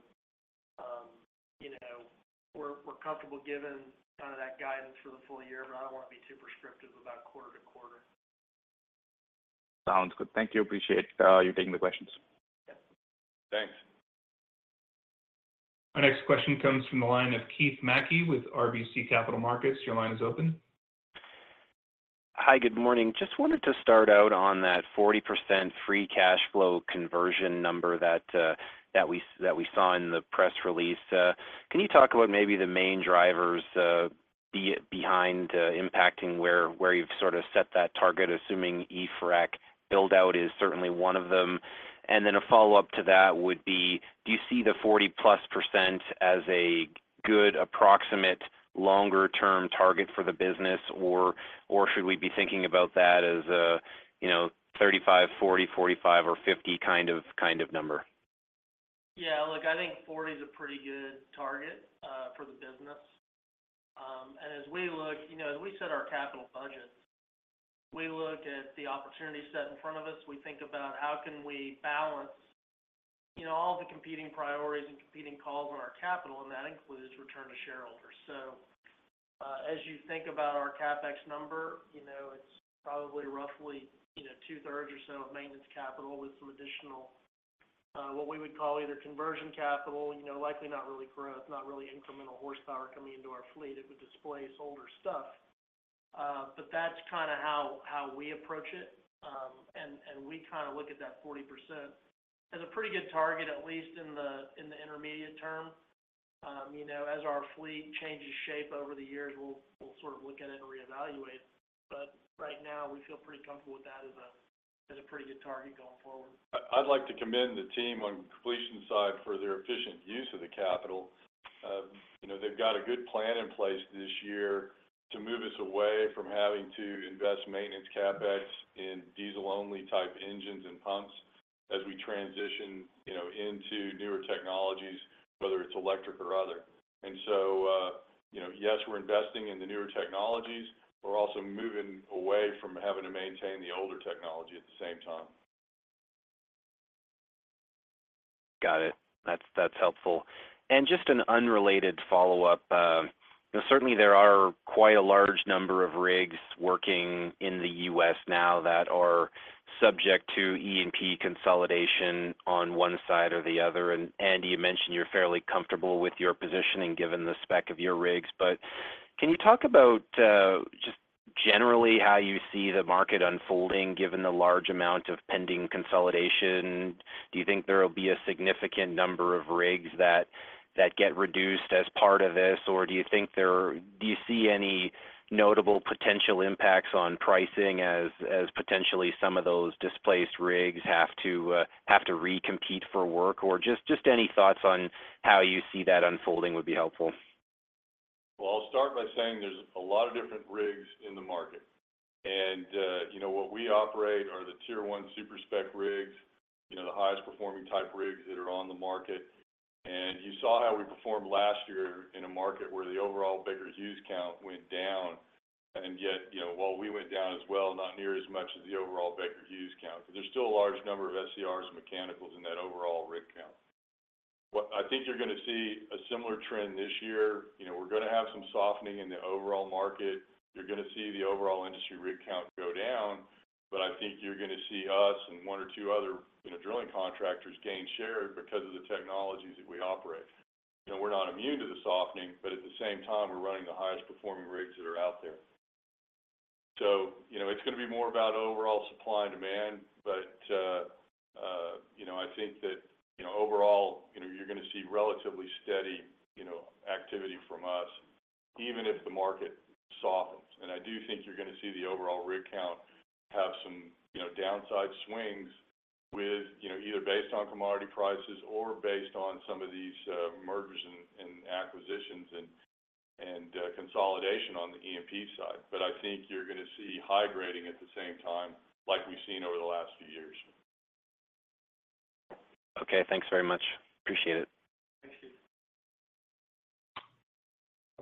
you know, we're comfortable giving kind of that guidance for the full year, but I don't want to be too prescriptive about quarter to quarter. Sounds good. Thank you. Appreciate you taking the questions. Yeah. Thanks. Our next question comes from the line of Keith Mackey with RBC Capital Markets. Your line is open. Hi, good morning. Just wanted to start out on that 40% free cash flow conversion number that, that we saw in the press release. Can you talk about maybe the main drivers behind impacting where you've sort of set that target, assuming e-frac build-out is certainly one of them? And then a follow-up to that would be: Do you see the 40+% as a good approximate longer-term target for the business, or should we be thinking about that as a, you know, 35, 40, 45, or 50 kind of number? Yeah, look, I think 40 is a pretty good target for the business. And as we look, you know, as we set our capital budget, we look at the opportunity set in front of us. We think about how can we balance, you know, all the competing priorities and competing calls on our capital, and that includes return to shareholders. So, as you think about our CapEx number, you know, it's probably roughly, you know, two-thirds or so of maintenance capital with some additional, what we would call either conversion capital, you know, likely not really growth, not really incremental horsepower coming into our fleet. It would displace older stuff. But that's kinda how we approach it. And we kinda look at that 40% as a pretty good target, at least in the intermediate term. You know, as our fleet changes shape over the years, we'll sort of look at it and reevaluate. But right now, we feel pretty comfortable with that as a pretty good target going forward. I'd like to commend the team on completion side for their efficient use of the capital. You know, they've got a good plan in place this year to move us away from having to invest maintenance CapEx in diesel-only type engines and pumps... as we transition, you know, into newer technologies, whether it's electric or other. And so, you know, yes, we're investing in the newer technologies, we're also moving away from having to maintain the older technology at the same time. Got it. That's, that's helpful. And just an unrelated follow-up, you know, certainly there are quite a large number of rigs working in the U.S. now that are subject to E&P consolidation on one side or the other. And, Andy, you mentioned you're fairly comfortable with your positioning, given the spec of your rigs. But can you talk about, just generally how you see the market unfolding, given the large amount of pending consolidation? Do you think there will be a significant number of rigs that, that get reduced as part of this? Or do you think there-- do you see any notable potential impacts on pricing as, as potentially some of those displaced rigs have to, have to re-compete for work? Or just, just any thoughts on how you see that unfolding would be helpful. Well, I'll start by saying there's a lot of different rigs in the market. And, you know, what we operate are the Tier One Super Spec rigs, you know, the highest performing type rigs that are on the market. And you saw how we performed last year in a market where the overall Baker Hughes count went down, and yet, you know, while we went down as well, not near as much as the overall Baker Hughes count. But there's still a large number of SCRs and mechanicals in that overall rig count. I think you're gonna see a similar trend this year. You know, we're gonna have some softening in the overall market. You're gonna see the overall industry rig count go down, but I think you're gonna see us and one or two other, you know, drilling contractors gain share because of the technologies that we operate. You know, we're not immune to the softening, but at the same time, we're running the highest performing rigs that are out there. So, you know, it's gonna be more about overall supply and demand, but you know, I think that, you know, overall, you know, you're gonna see relatively steady, you know, activity from us, even if the market softens. And I do think you're gonna see the overall rig count have some, you know, downside swings with, you know, either based on commodity prices or based on some of these mergers and acquisitions and consolidation on the E&P side. I think you're gonna see high grading at the same time, like we've seen over the last few years. Okay, thanks very much. Appreciate it. Thank you.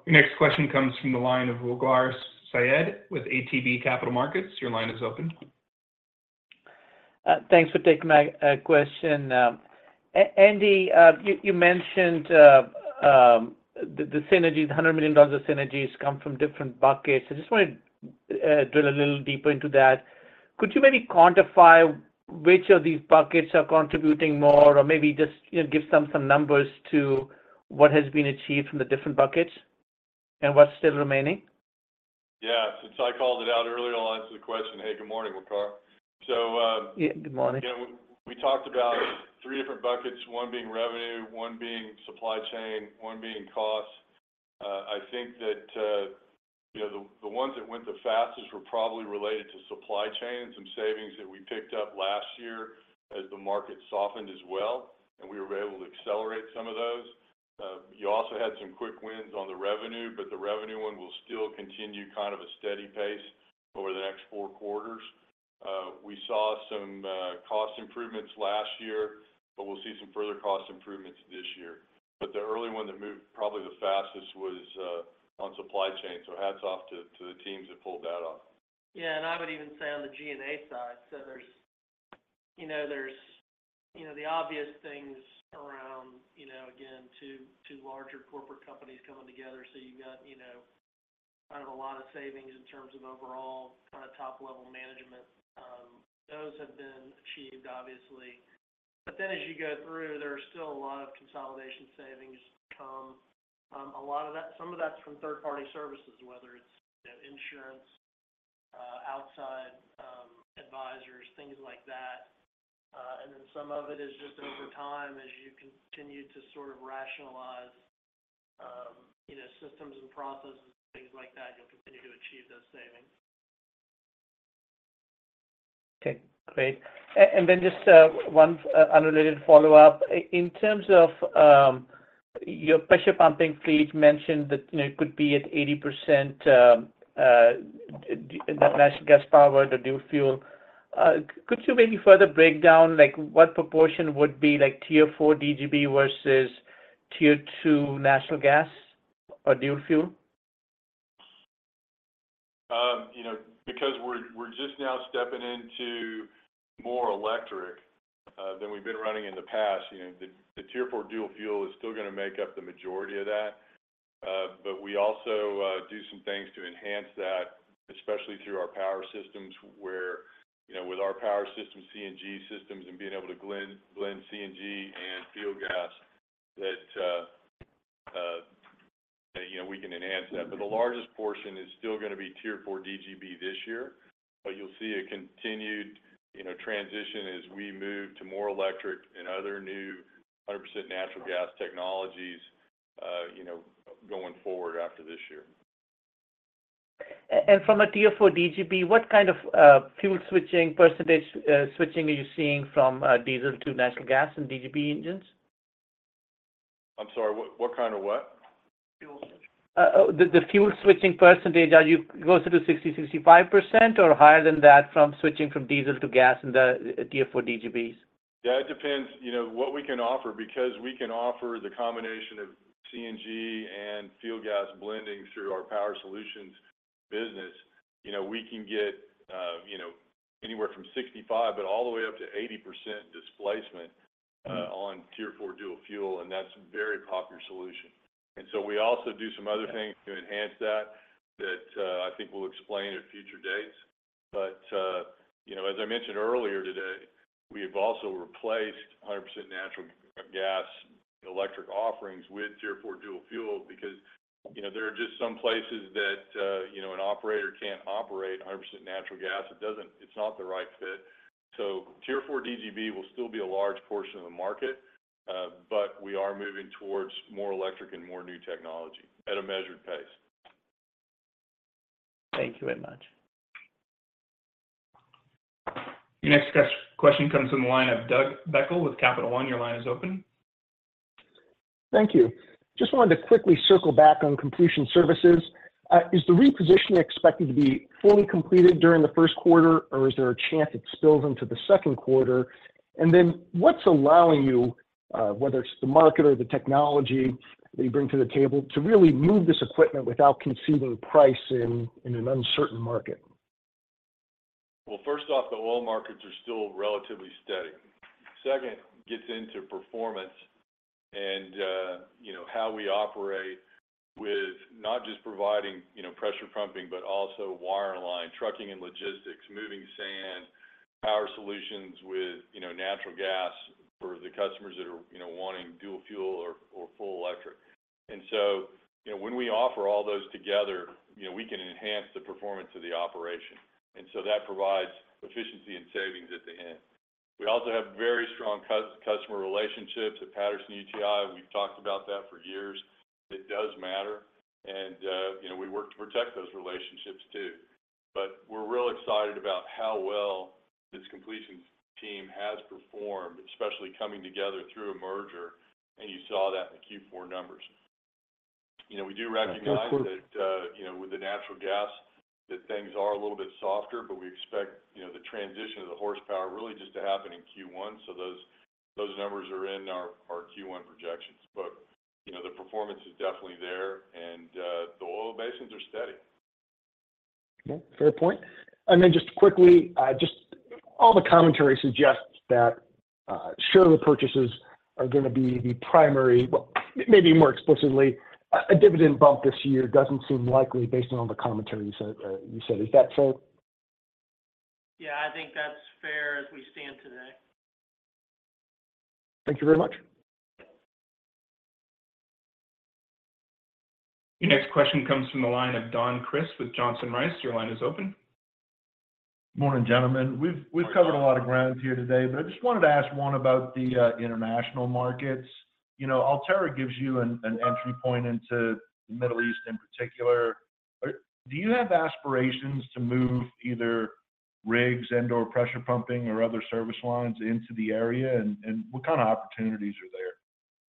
The next question comes from the line of Waqar Syed with ATB Capital Markets. Your line is open. Thanks for taking my question. Andy, you mentioned the synergies, the $100 million of synergies come from different buckets. I just wanted to drill a little deeper into that. Could you maybe quantify which of these buckets are contributing more, or maybe just, you know, give some numbers to what has been achieved from the different buckets, and what's still remaining? Yeah. Since I called it out earlier, I'll answer the question. Hey, good morning, Waqar. So, Yeah. Good morning. You know, we talked about three different buckets, one being revenue, one being supply chain, one being costs. I think that, you know, the, the ones that went the fastest were probably related to supply chain. Some savings that we picked up last year as the market softened as well, and we were able to accelerate some of those. You also had some quick wins on the revenue, but the revenue one will still continue kind of a steady pace over the next four quarters. We saw some cost improvements last year, but we'll see some further cost improvements this year. But the early one that moved probably the fastest was on supply chain, so hats off to, to the teams that pulled that off. Yeah, and I would even say on the G&A side, so there's, you know, the obvious things around, you know, again, two larger corporate companies coming together. So you've got, you know, kind of a lot of savings in terms of overall kind of top-level management. Those have been achieved, obviously. But then as you go through, there are still a lot of consolidation savings to come. A lot of that, some of that's from third-party services, whether it's, you know, insurance, outside advisors, things like that. And then some of it is just over time, as you continue to sort of rationalize, you know, systems and processes and things like that, you'll continue to achieve those savings. Okay, great. And then just one unrelated follow-up. In terms of your pressure pumping fleet, you mentioned that, you know, it could be at 80% natural gas power, the dual fuel. Could you maybe further break down, like, what proportion would be, like, Tier 4 DGB versus Tier 2 natural gas or dual fuel? You know, because we're just now stepping into more electric than we've been running in the past, you know, the Tier 4 dual fuel is still gonna make up the majority of that. But we also do some things to enhance that, especially through our power systems, where, you know, with our power system, CNG systems, and being able to blend CNG and fuel gas, that, you know, we can enhance that. But the largest portion is still gonna be Tier 4 DGB this year, but you'll see a continued, you know, transition as we move to more electric and other new 100% natural gas technologies, you know, going forward after this year. And from a Tier 4 DGB, what kind of fuel switching percentage switching are you seeing from diesel to natural gas in DGB engines?... I'm sorry, what, what kind of what? Fuel switching. The fuel switching percentage, are you closer to 60, 65% or higher than that from switching from diesel to gas in the Tier 4 DGBs? Yeah, it depends, you know, what we can offer, because we can offer the combination of CNG and fuel gas blending through our Power Solutions business. You know, we can get, you know, anywhere from 65%-80% displacement on Tier 4 dual fuel, and that's a very popular solution. And so we also do some other things to enhance that, I think we'll explain at future dates. But, you know, as I mentioned earlier today, we have also replaced 100% natural gas electric offerings with Tier 4 dual fuel because, you know, there are just some places that, you know, an operator can't operate 100% natural gas. It doesn't. It's not the right fit. Tier 4 DGB will still be a large portion of the market, but we are moving towards more electric and more new technology at a measured pace. Thank you very much. The next question comes from the line of Doug Becker with Capital One. Your line is open. Thank you. Just wanted to quickly circle back on completion services. Is the reposition expected to be fully completed during the first quarter, or is there a chance it spills into the second quarter? And then what's allowing you, whether it's the market or the technology that you bring to the table, to really move this equipment without conceding price in an uncertain market? Well, first off, the oil markets are still relatively steady. Second, gets into performance and, you know, how we operate with not just providing, you know, pressure pumping, but also wireline, trucking and logistics, moving sand, Power Solutions with, you know, natural gas for the customers that are, you know, wanting dual fuel or full electric. And so, you know, when we offer all those together, you know, we can enhance the performance of the operation, and so that provides efficiency and savings at the end. We also have very strong customer relationships at Patterson-UTI, and we've talked about that for years. It does matter, and, you know, we work to protect those relationships too. But we're really excited about how well this completion team has performed, especially coming together through a merger, and you saw that in the Q4 numbers. You know, we do recognize- Yeah, sure ...that, you know, with the natural gas, that things are a little bit softer, but we expect, you know, the transition of the horsepower really just to happen in Q1. So those, those numbers are in our, our Q1 projections. But, you know, the performance is definitely there, and, the oil basins are steady. Okay. Fair point. And then just quickly, just all the commentary suggests that, shareholder purchases are gonna be the primary... Well, maybe more explicitly, a dividend bump this year doesn't seem likely based on all the commentary you said, you said. Is that so? Yeah, I think that's fair as we stand today. Thank you very much. Your next question comes from the line of Don Crist with Johnson Rice. Your line is open. Morning, gentlemen. Good morning. We've covered a lot of ground here today, but I just wanted to ask one about the international markets. You know, Ulterra gives you an entry point into the Middle East in particular. Do you have aspirations to move either rigs and/or pressure pumping or other service lines into the area? And what kind of opportunities are there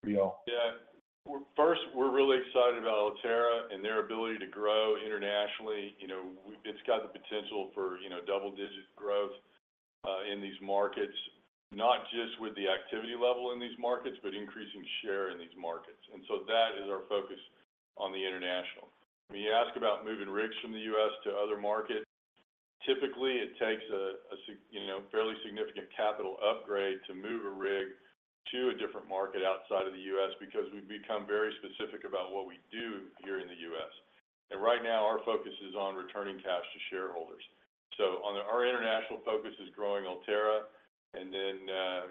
for y'all? Yeah. Well, first, we're really excited about Ulterra and their ability to grow internationally. You know, we, it's got the potential for, you know, double-digit growth in these markets, not just with the activity level in these markets, but increasing share in these markets. And so that is our focus on the international. When you ask about moving rigs from the U.S. to other markets, typically it takes a fairly significant capital upgrade to move a rig to a different market outside of the U.S. because we've become very specific about what we do here in the U.S. And right now, our focus is on returning cash to shareholders. So, our international focus is growing Ulterra, and then,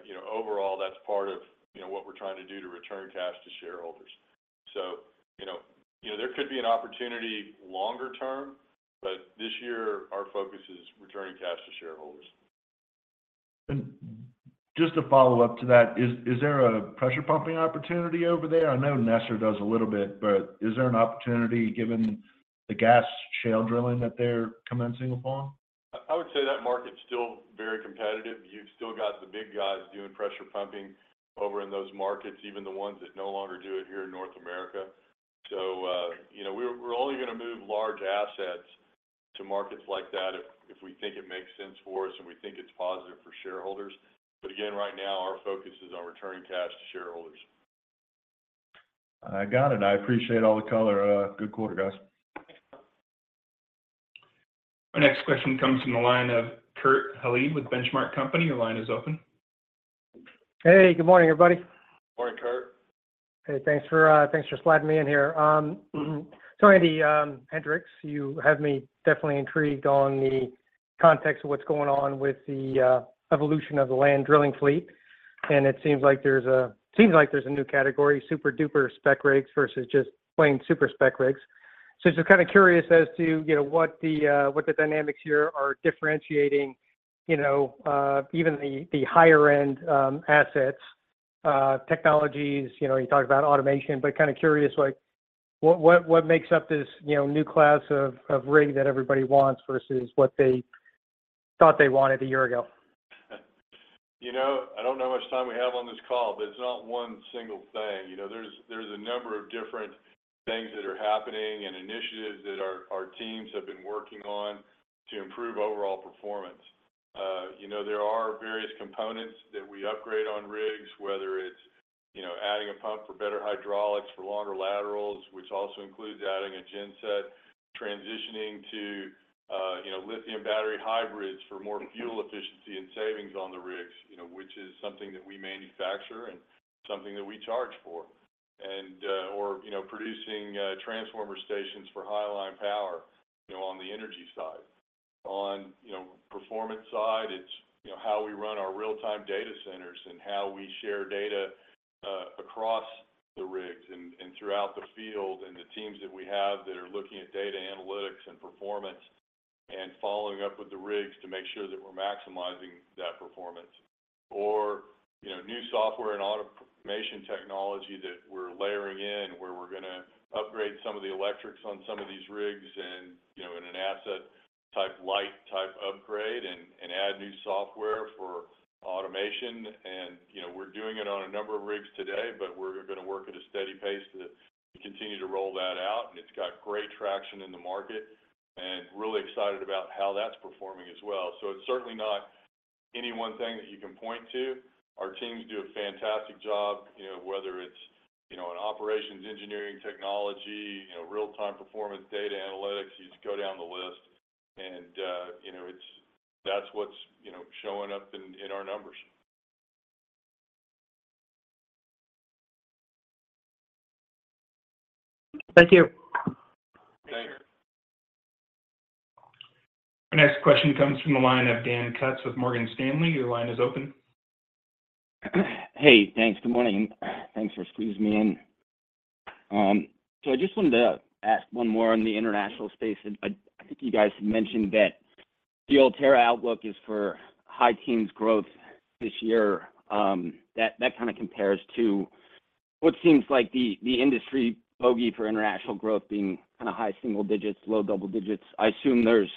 you know, overall, that's part of, you know, what we're trying to do to return cash to shareholders. You know, you know, there could be an opportunity longer term, but this year, our focus is returning cash to shareholders. Just to follow up to that, is there a pressure pumping opportunity over there? I know NexTier does a little bit, but is there an opportunity given the gas shale drilling that they're commencing upon? I would say that market's still very competitive. You've still got the big guys doing pressure pumping over in those markets, even the ones that no longer do it here in North America. So, you know, we're only gonna move large assets to markets like that if we think it makes sense for us and we think it's positive for shareholders. But again, right now, our focus is on returning cash to shareholders. I got it. I appreciate all the color. Good quarter, guys. Our next question comes from the line of Kurt Hallead with Benchmark Company. Your line is open. Hey, good morning, everybody. Morning, Kurt. Hey, thanks for, thanks for sliding me in here. So Andy Hendricks, you have me definitely intrigued on the context of what's going on with the evolution of the land drilling fleet. And it seems like there's a new category, super-duper spec rigs versus just plain super spec rigs. So just kind of curious as to, you know, what the dynamics here are differentiating, you know, even the higher-end assets, technologies. You know, you talked about automation, but kind of curious, like, what makes up this, you know, new class of rig that everybody wants versus what they thought they wanted a year ago?... You know, I don't know how much time we have on this call, but it's not one single thing. You know, there's a number of different things that are happening and initiatives that our teams have been working on to improve overall performance. You know, there are various components that we upgrade on rigs, whether it's, you know, adding a pump for better hydraulics, for longer laterals, which also includes adding a genset, transitioning to, you know, lithium battery hybrids for more fuel efficiency and savings on the rigs. You know, which is something that we manufacture and something that we charge for. And, or, you know, producing transformer stations for highline power, you know, on the energy side. On the performance side, it's, you know, how we run our real-time data centers and how we share data across the rigs and throughout the field, and the teams that we have that are looking at data analytics and performance, and following up with the rigs to make sure that we're maximizing that performance. Or, you know, new software and automation technology that we're layering in, where we're gonna upgrade some of the electrics on some of these rigs and, you know, in an asset-type, light-type upgrade, and add new software for automation. And, you know, we're doing it on a number of rigs today, but we're gonna work at a steady pace to continue to roll that out, and it's got great traction in the market, and really excited about how that's performing as well. It's certainly not any one thing that you can point to. Our teams do a fantastic job, you know, whether it's, you know, in operations, engineering, technology, you know, real-time performance, data analytics, you just go down the list and, you know, it's, that's what's, you know, showing up in, in our numbers. Thank you. Thanks. Our next question comes from the line of Dan Kutz with Morgan Stanley. Your line is open. Hey, thanks. Good morning. Thanks for squeezing me in. So I just wanted to ask one more on the international space, and I think you guys had mentioned that the Ulterra outlook is for high teens growth this year. That kind of compares to what seems like the industry bogey for international growth being kind of high single digits, low double digits. I assume there's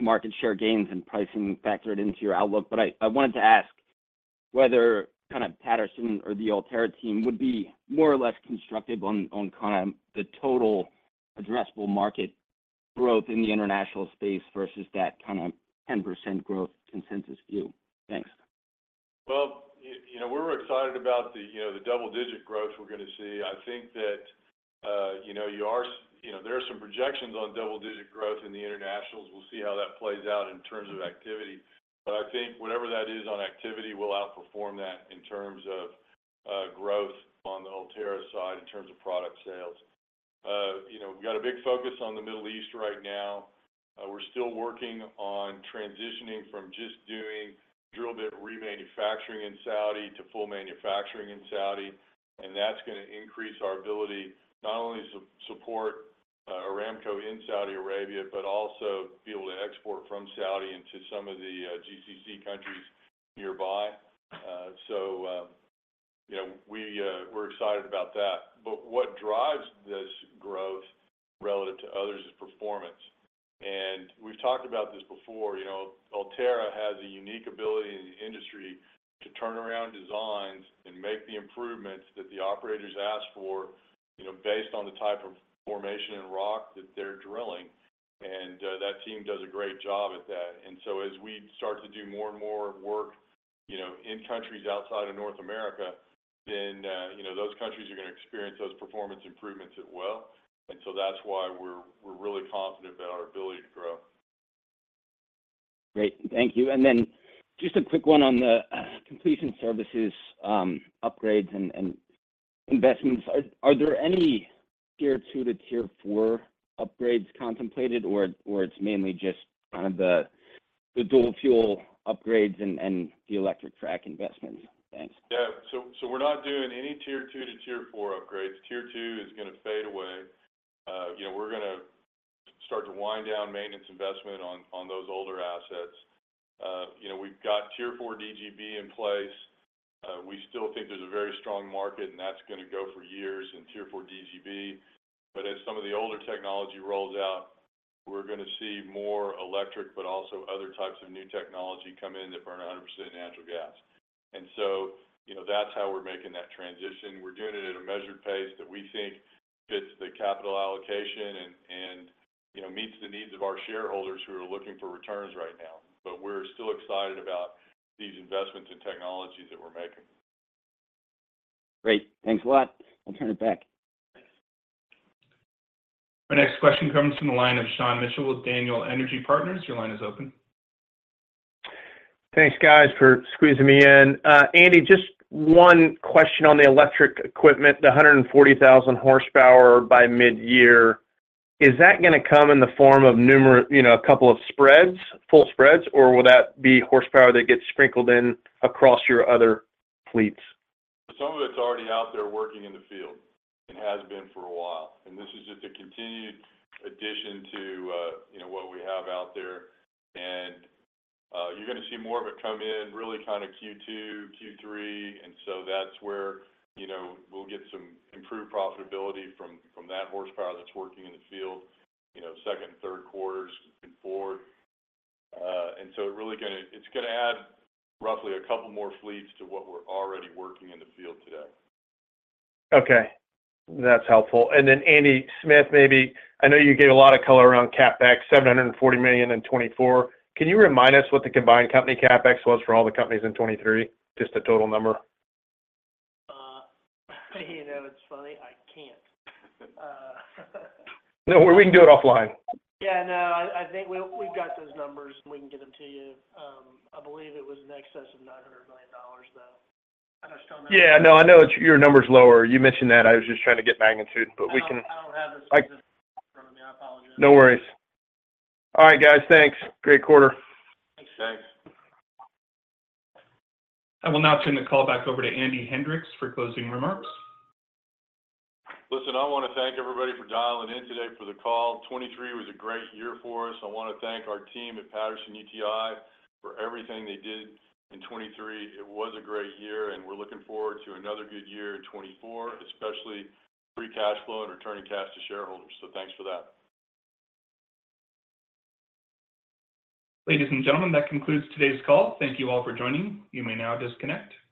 market share gains and pricing factored into your outlook, but I wanted to ask whether kind of Patterson or the Ulterra team would be more or less constructive on kind of the total addressable market growth in the international space versus that kind of 10% growth consensus view? Thanks. Well, you know, we're excited about the, you know, the double-digit growth we're gonna see. I think that, you know, there are some projections on double-digit growth in the internationals. We'll see how that plays out in terms of activity. But I think whatever that is on activity, we'll outperform that in terms of, growth on the Ulterra side, in terms of product sales. You know, we've got a big focus on the Middle East right now. We're still working on transitioning from just doing drill bit remanufacturing in Saudi to full manufacturing in Saudi, and that's gonna increase our ability, not only to support, Aramco in Saudi Arabia, but also be able to export from Saudi into some of the, GCC countries nearby. So, you know, we're excited about that. But what drives this growth relative to others is performance. And we've talked about this before, you know, Ulterra has a unique ability in the industry to turn around designs and make the improvements that the operators ask for, you know, based on the type of formation and rock that they're drilling, and that team does a great job at that. And so as we start to do more and more work, you know, in countries outside of North America, then those countries are gonna experience those performance improvements as well. And so that's why we're really confident about our ability to grow. Great, thank you. And then just a quick one on the completion services, upgrades, and investments. Are there any Tier two to Tier four upgrades contemplated, or it's mainly just kind of the dual fuel upgrades and the electric frac investments? Thanks. Yeah. So we're not doing any Tier 2 to Tier 4 upgrades. Tier 2 is gonna fade away. You know, we're gonna start to wind down maintenance investment on those older assets. You know, we've got Tier 4 DGB in place. We still think there's a very strong market, and that's gonna go for years in Tier 4 DGB. But as some of the older technology rolls out, we're gonna see more electric, but also other types of new technology come in that burn 100% natural gas. And so, you know, that's how we're making that transition. We're doing it at a measured pace that we think fits the capital allocation and, you know, meets the needs of our shareholders who are looking for returns right now. But we're still excited about these investments in technologies that we're making. Great. Thanks a lot. I'll turn it back. Our next question comes from the line of Sean Mitchell with Daniel Energy Partners. Your line is open. Thanks, guys, for squeezing me in. Andy, just one question on the electric equipment, the 140,000 horsepower by mid-year. Is that gonna come in the form of numerous... You know, a couple of spreads, full spreads, or will that be horsepower that gets sprinkled in across your other fleets? Some of it's already out there working in the field, and has been for a while, and this is just a continued addition to, you know, what we have out there. And, you're gonna see more of it come in, really kind of Q2, Q3, and so that's where, you know, we'll get some improved profitability from, from that horsepower that's working in the field, you know, second and third quarters moving forward. And so it's gonna add roughly a couple more fleets to what we're already working in the field today. Okay, that's helpful. Then, Andy Smith, maybe, I know you gave a lot of color around CapEx, $740 million in 2024. Can you remind us what the combined company CapEx was for all the companies in 2023? Just a total number. You know, it's funny, I can't. No worry, we can do it offline. Yeah, no, I, I think we, we've got those numbers, and we can get them to you. I believe it was in excess of $900 million, though. I just don't- Yeah, no, I know your number's lower. You mentioned that. I was just trying to get magnitude, but we can- I don't have it in front of me. I apologize. No worries. All right, guys, thanks. Great quarter. Thanks. Thanks. I will now turn the call back over to Andy Hendricks for closing remarks. Listen, I wanna thank everybody for dialing in today for the call. 2023 was a great year for us. I wanna thank our team at Patterson-UTI for everything they did in 2023. It was a great year, and we're looking forward to another good year in 2024, especially free cash flow and returning cash to shareholders, so thanks for that. Ladies and gentlemen, that concludes today's call. Thank you all for joining. You may now disconnect.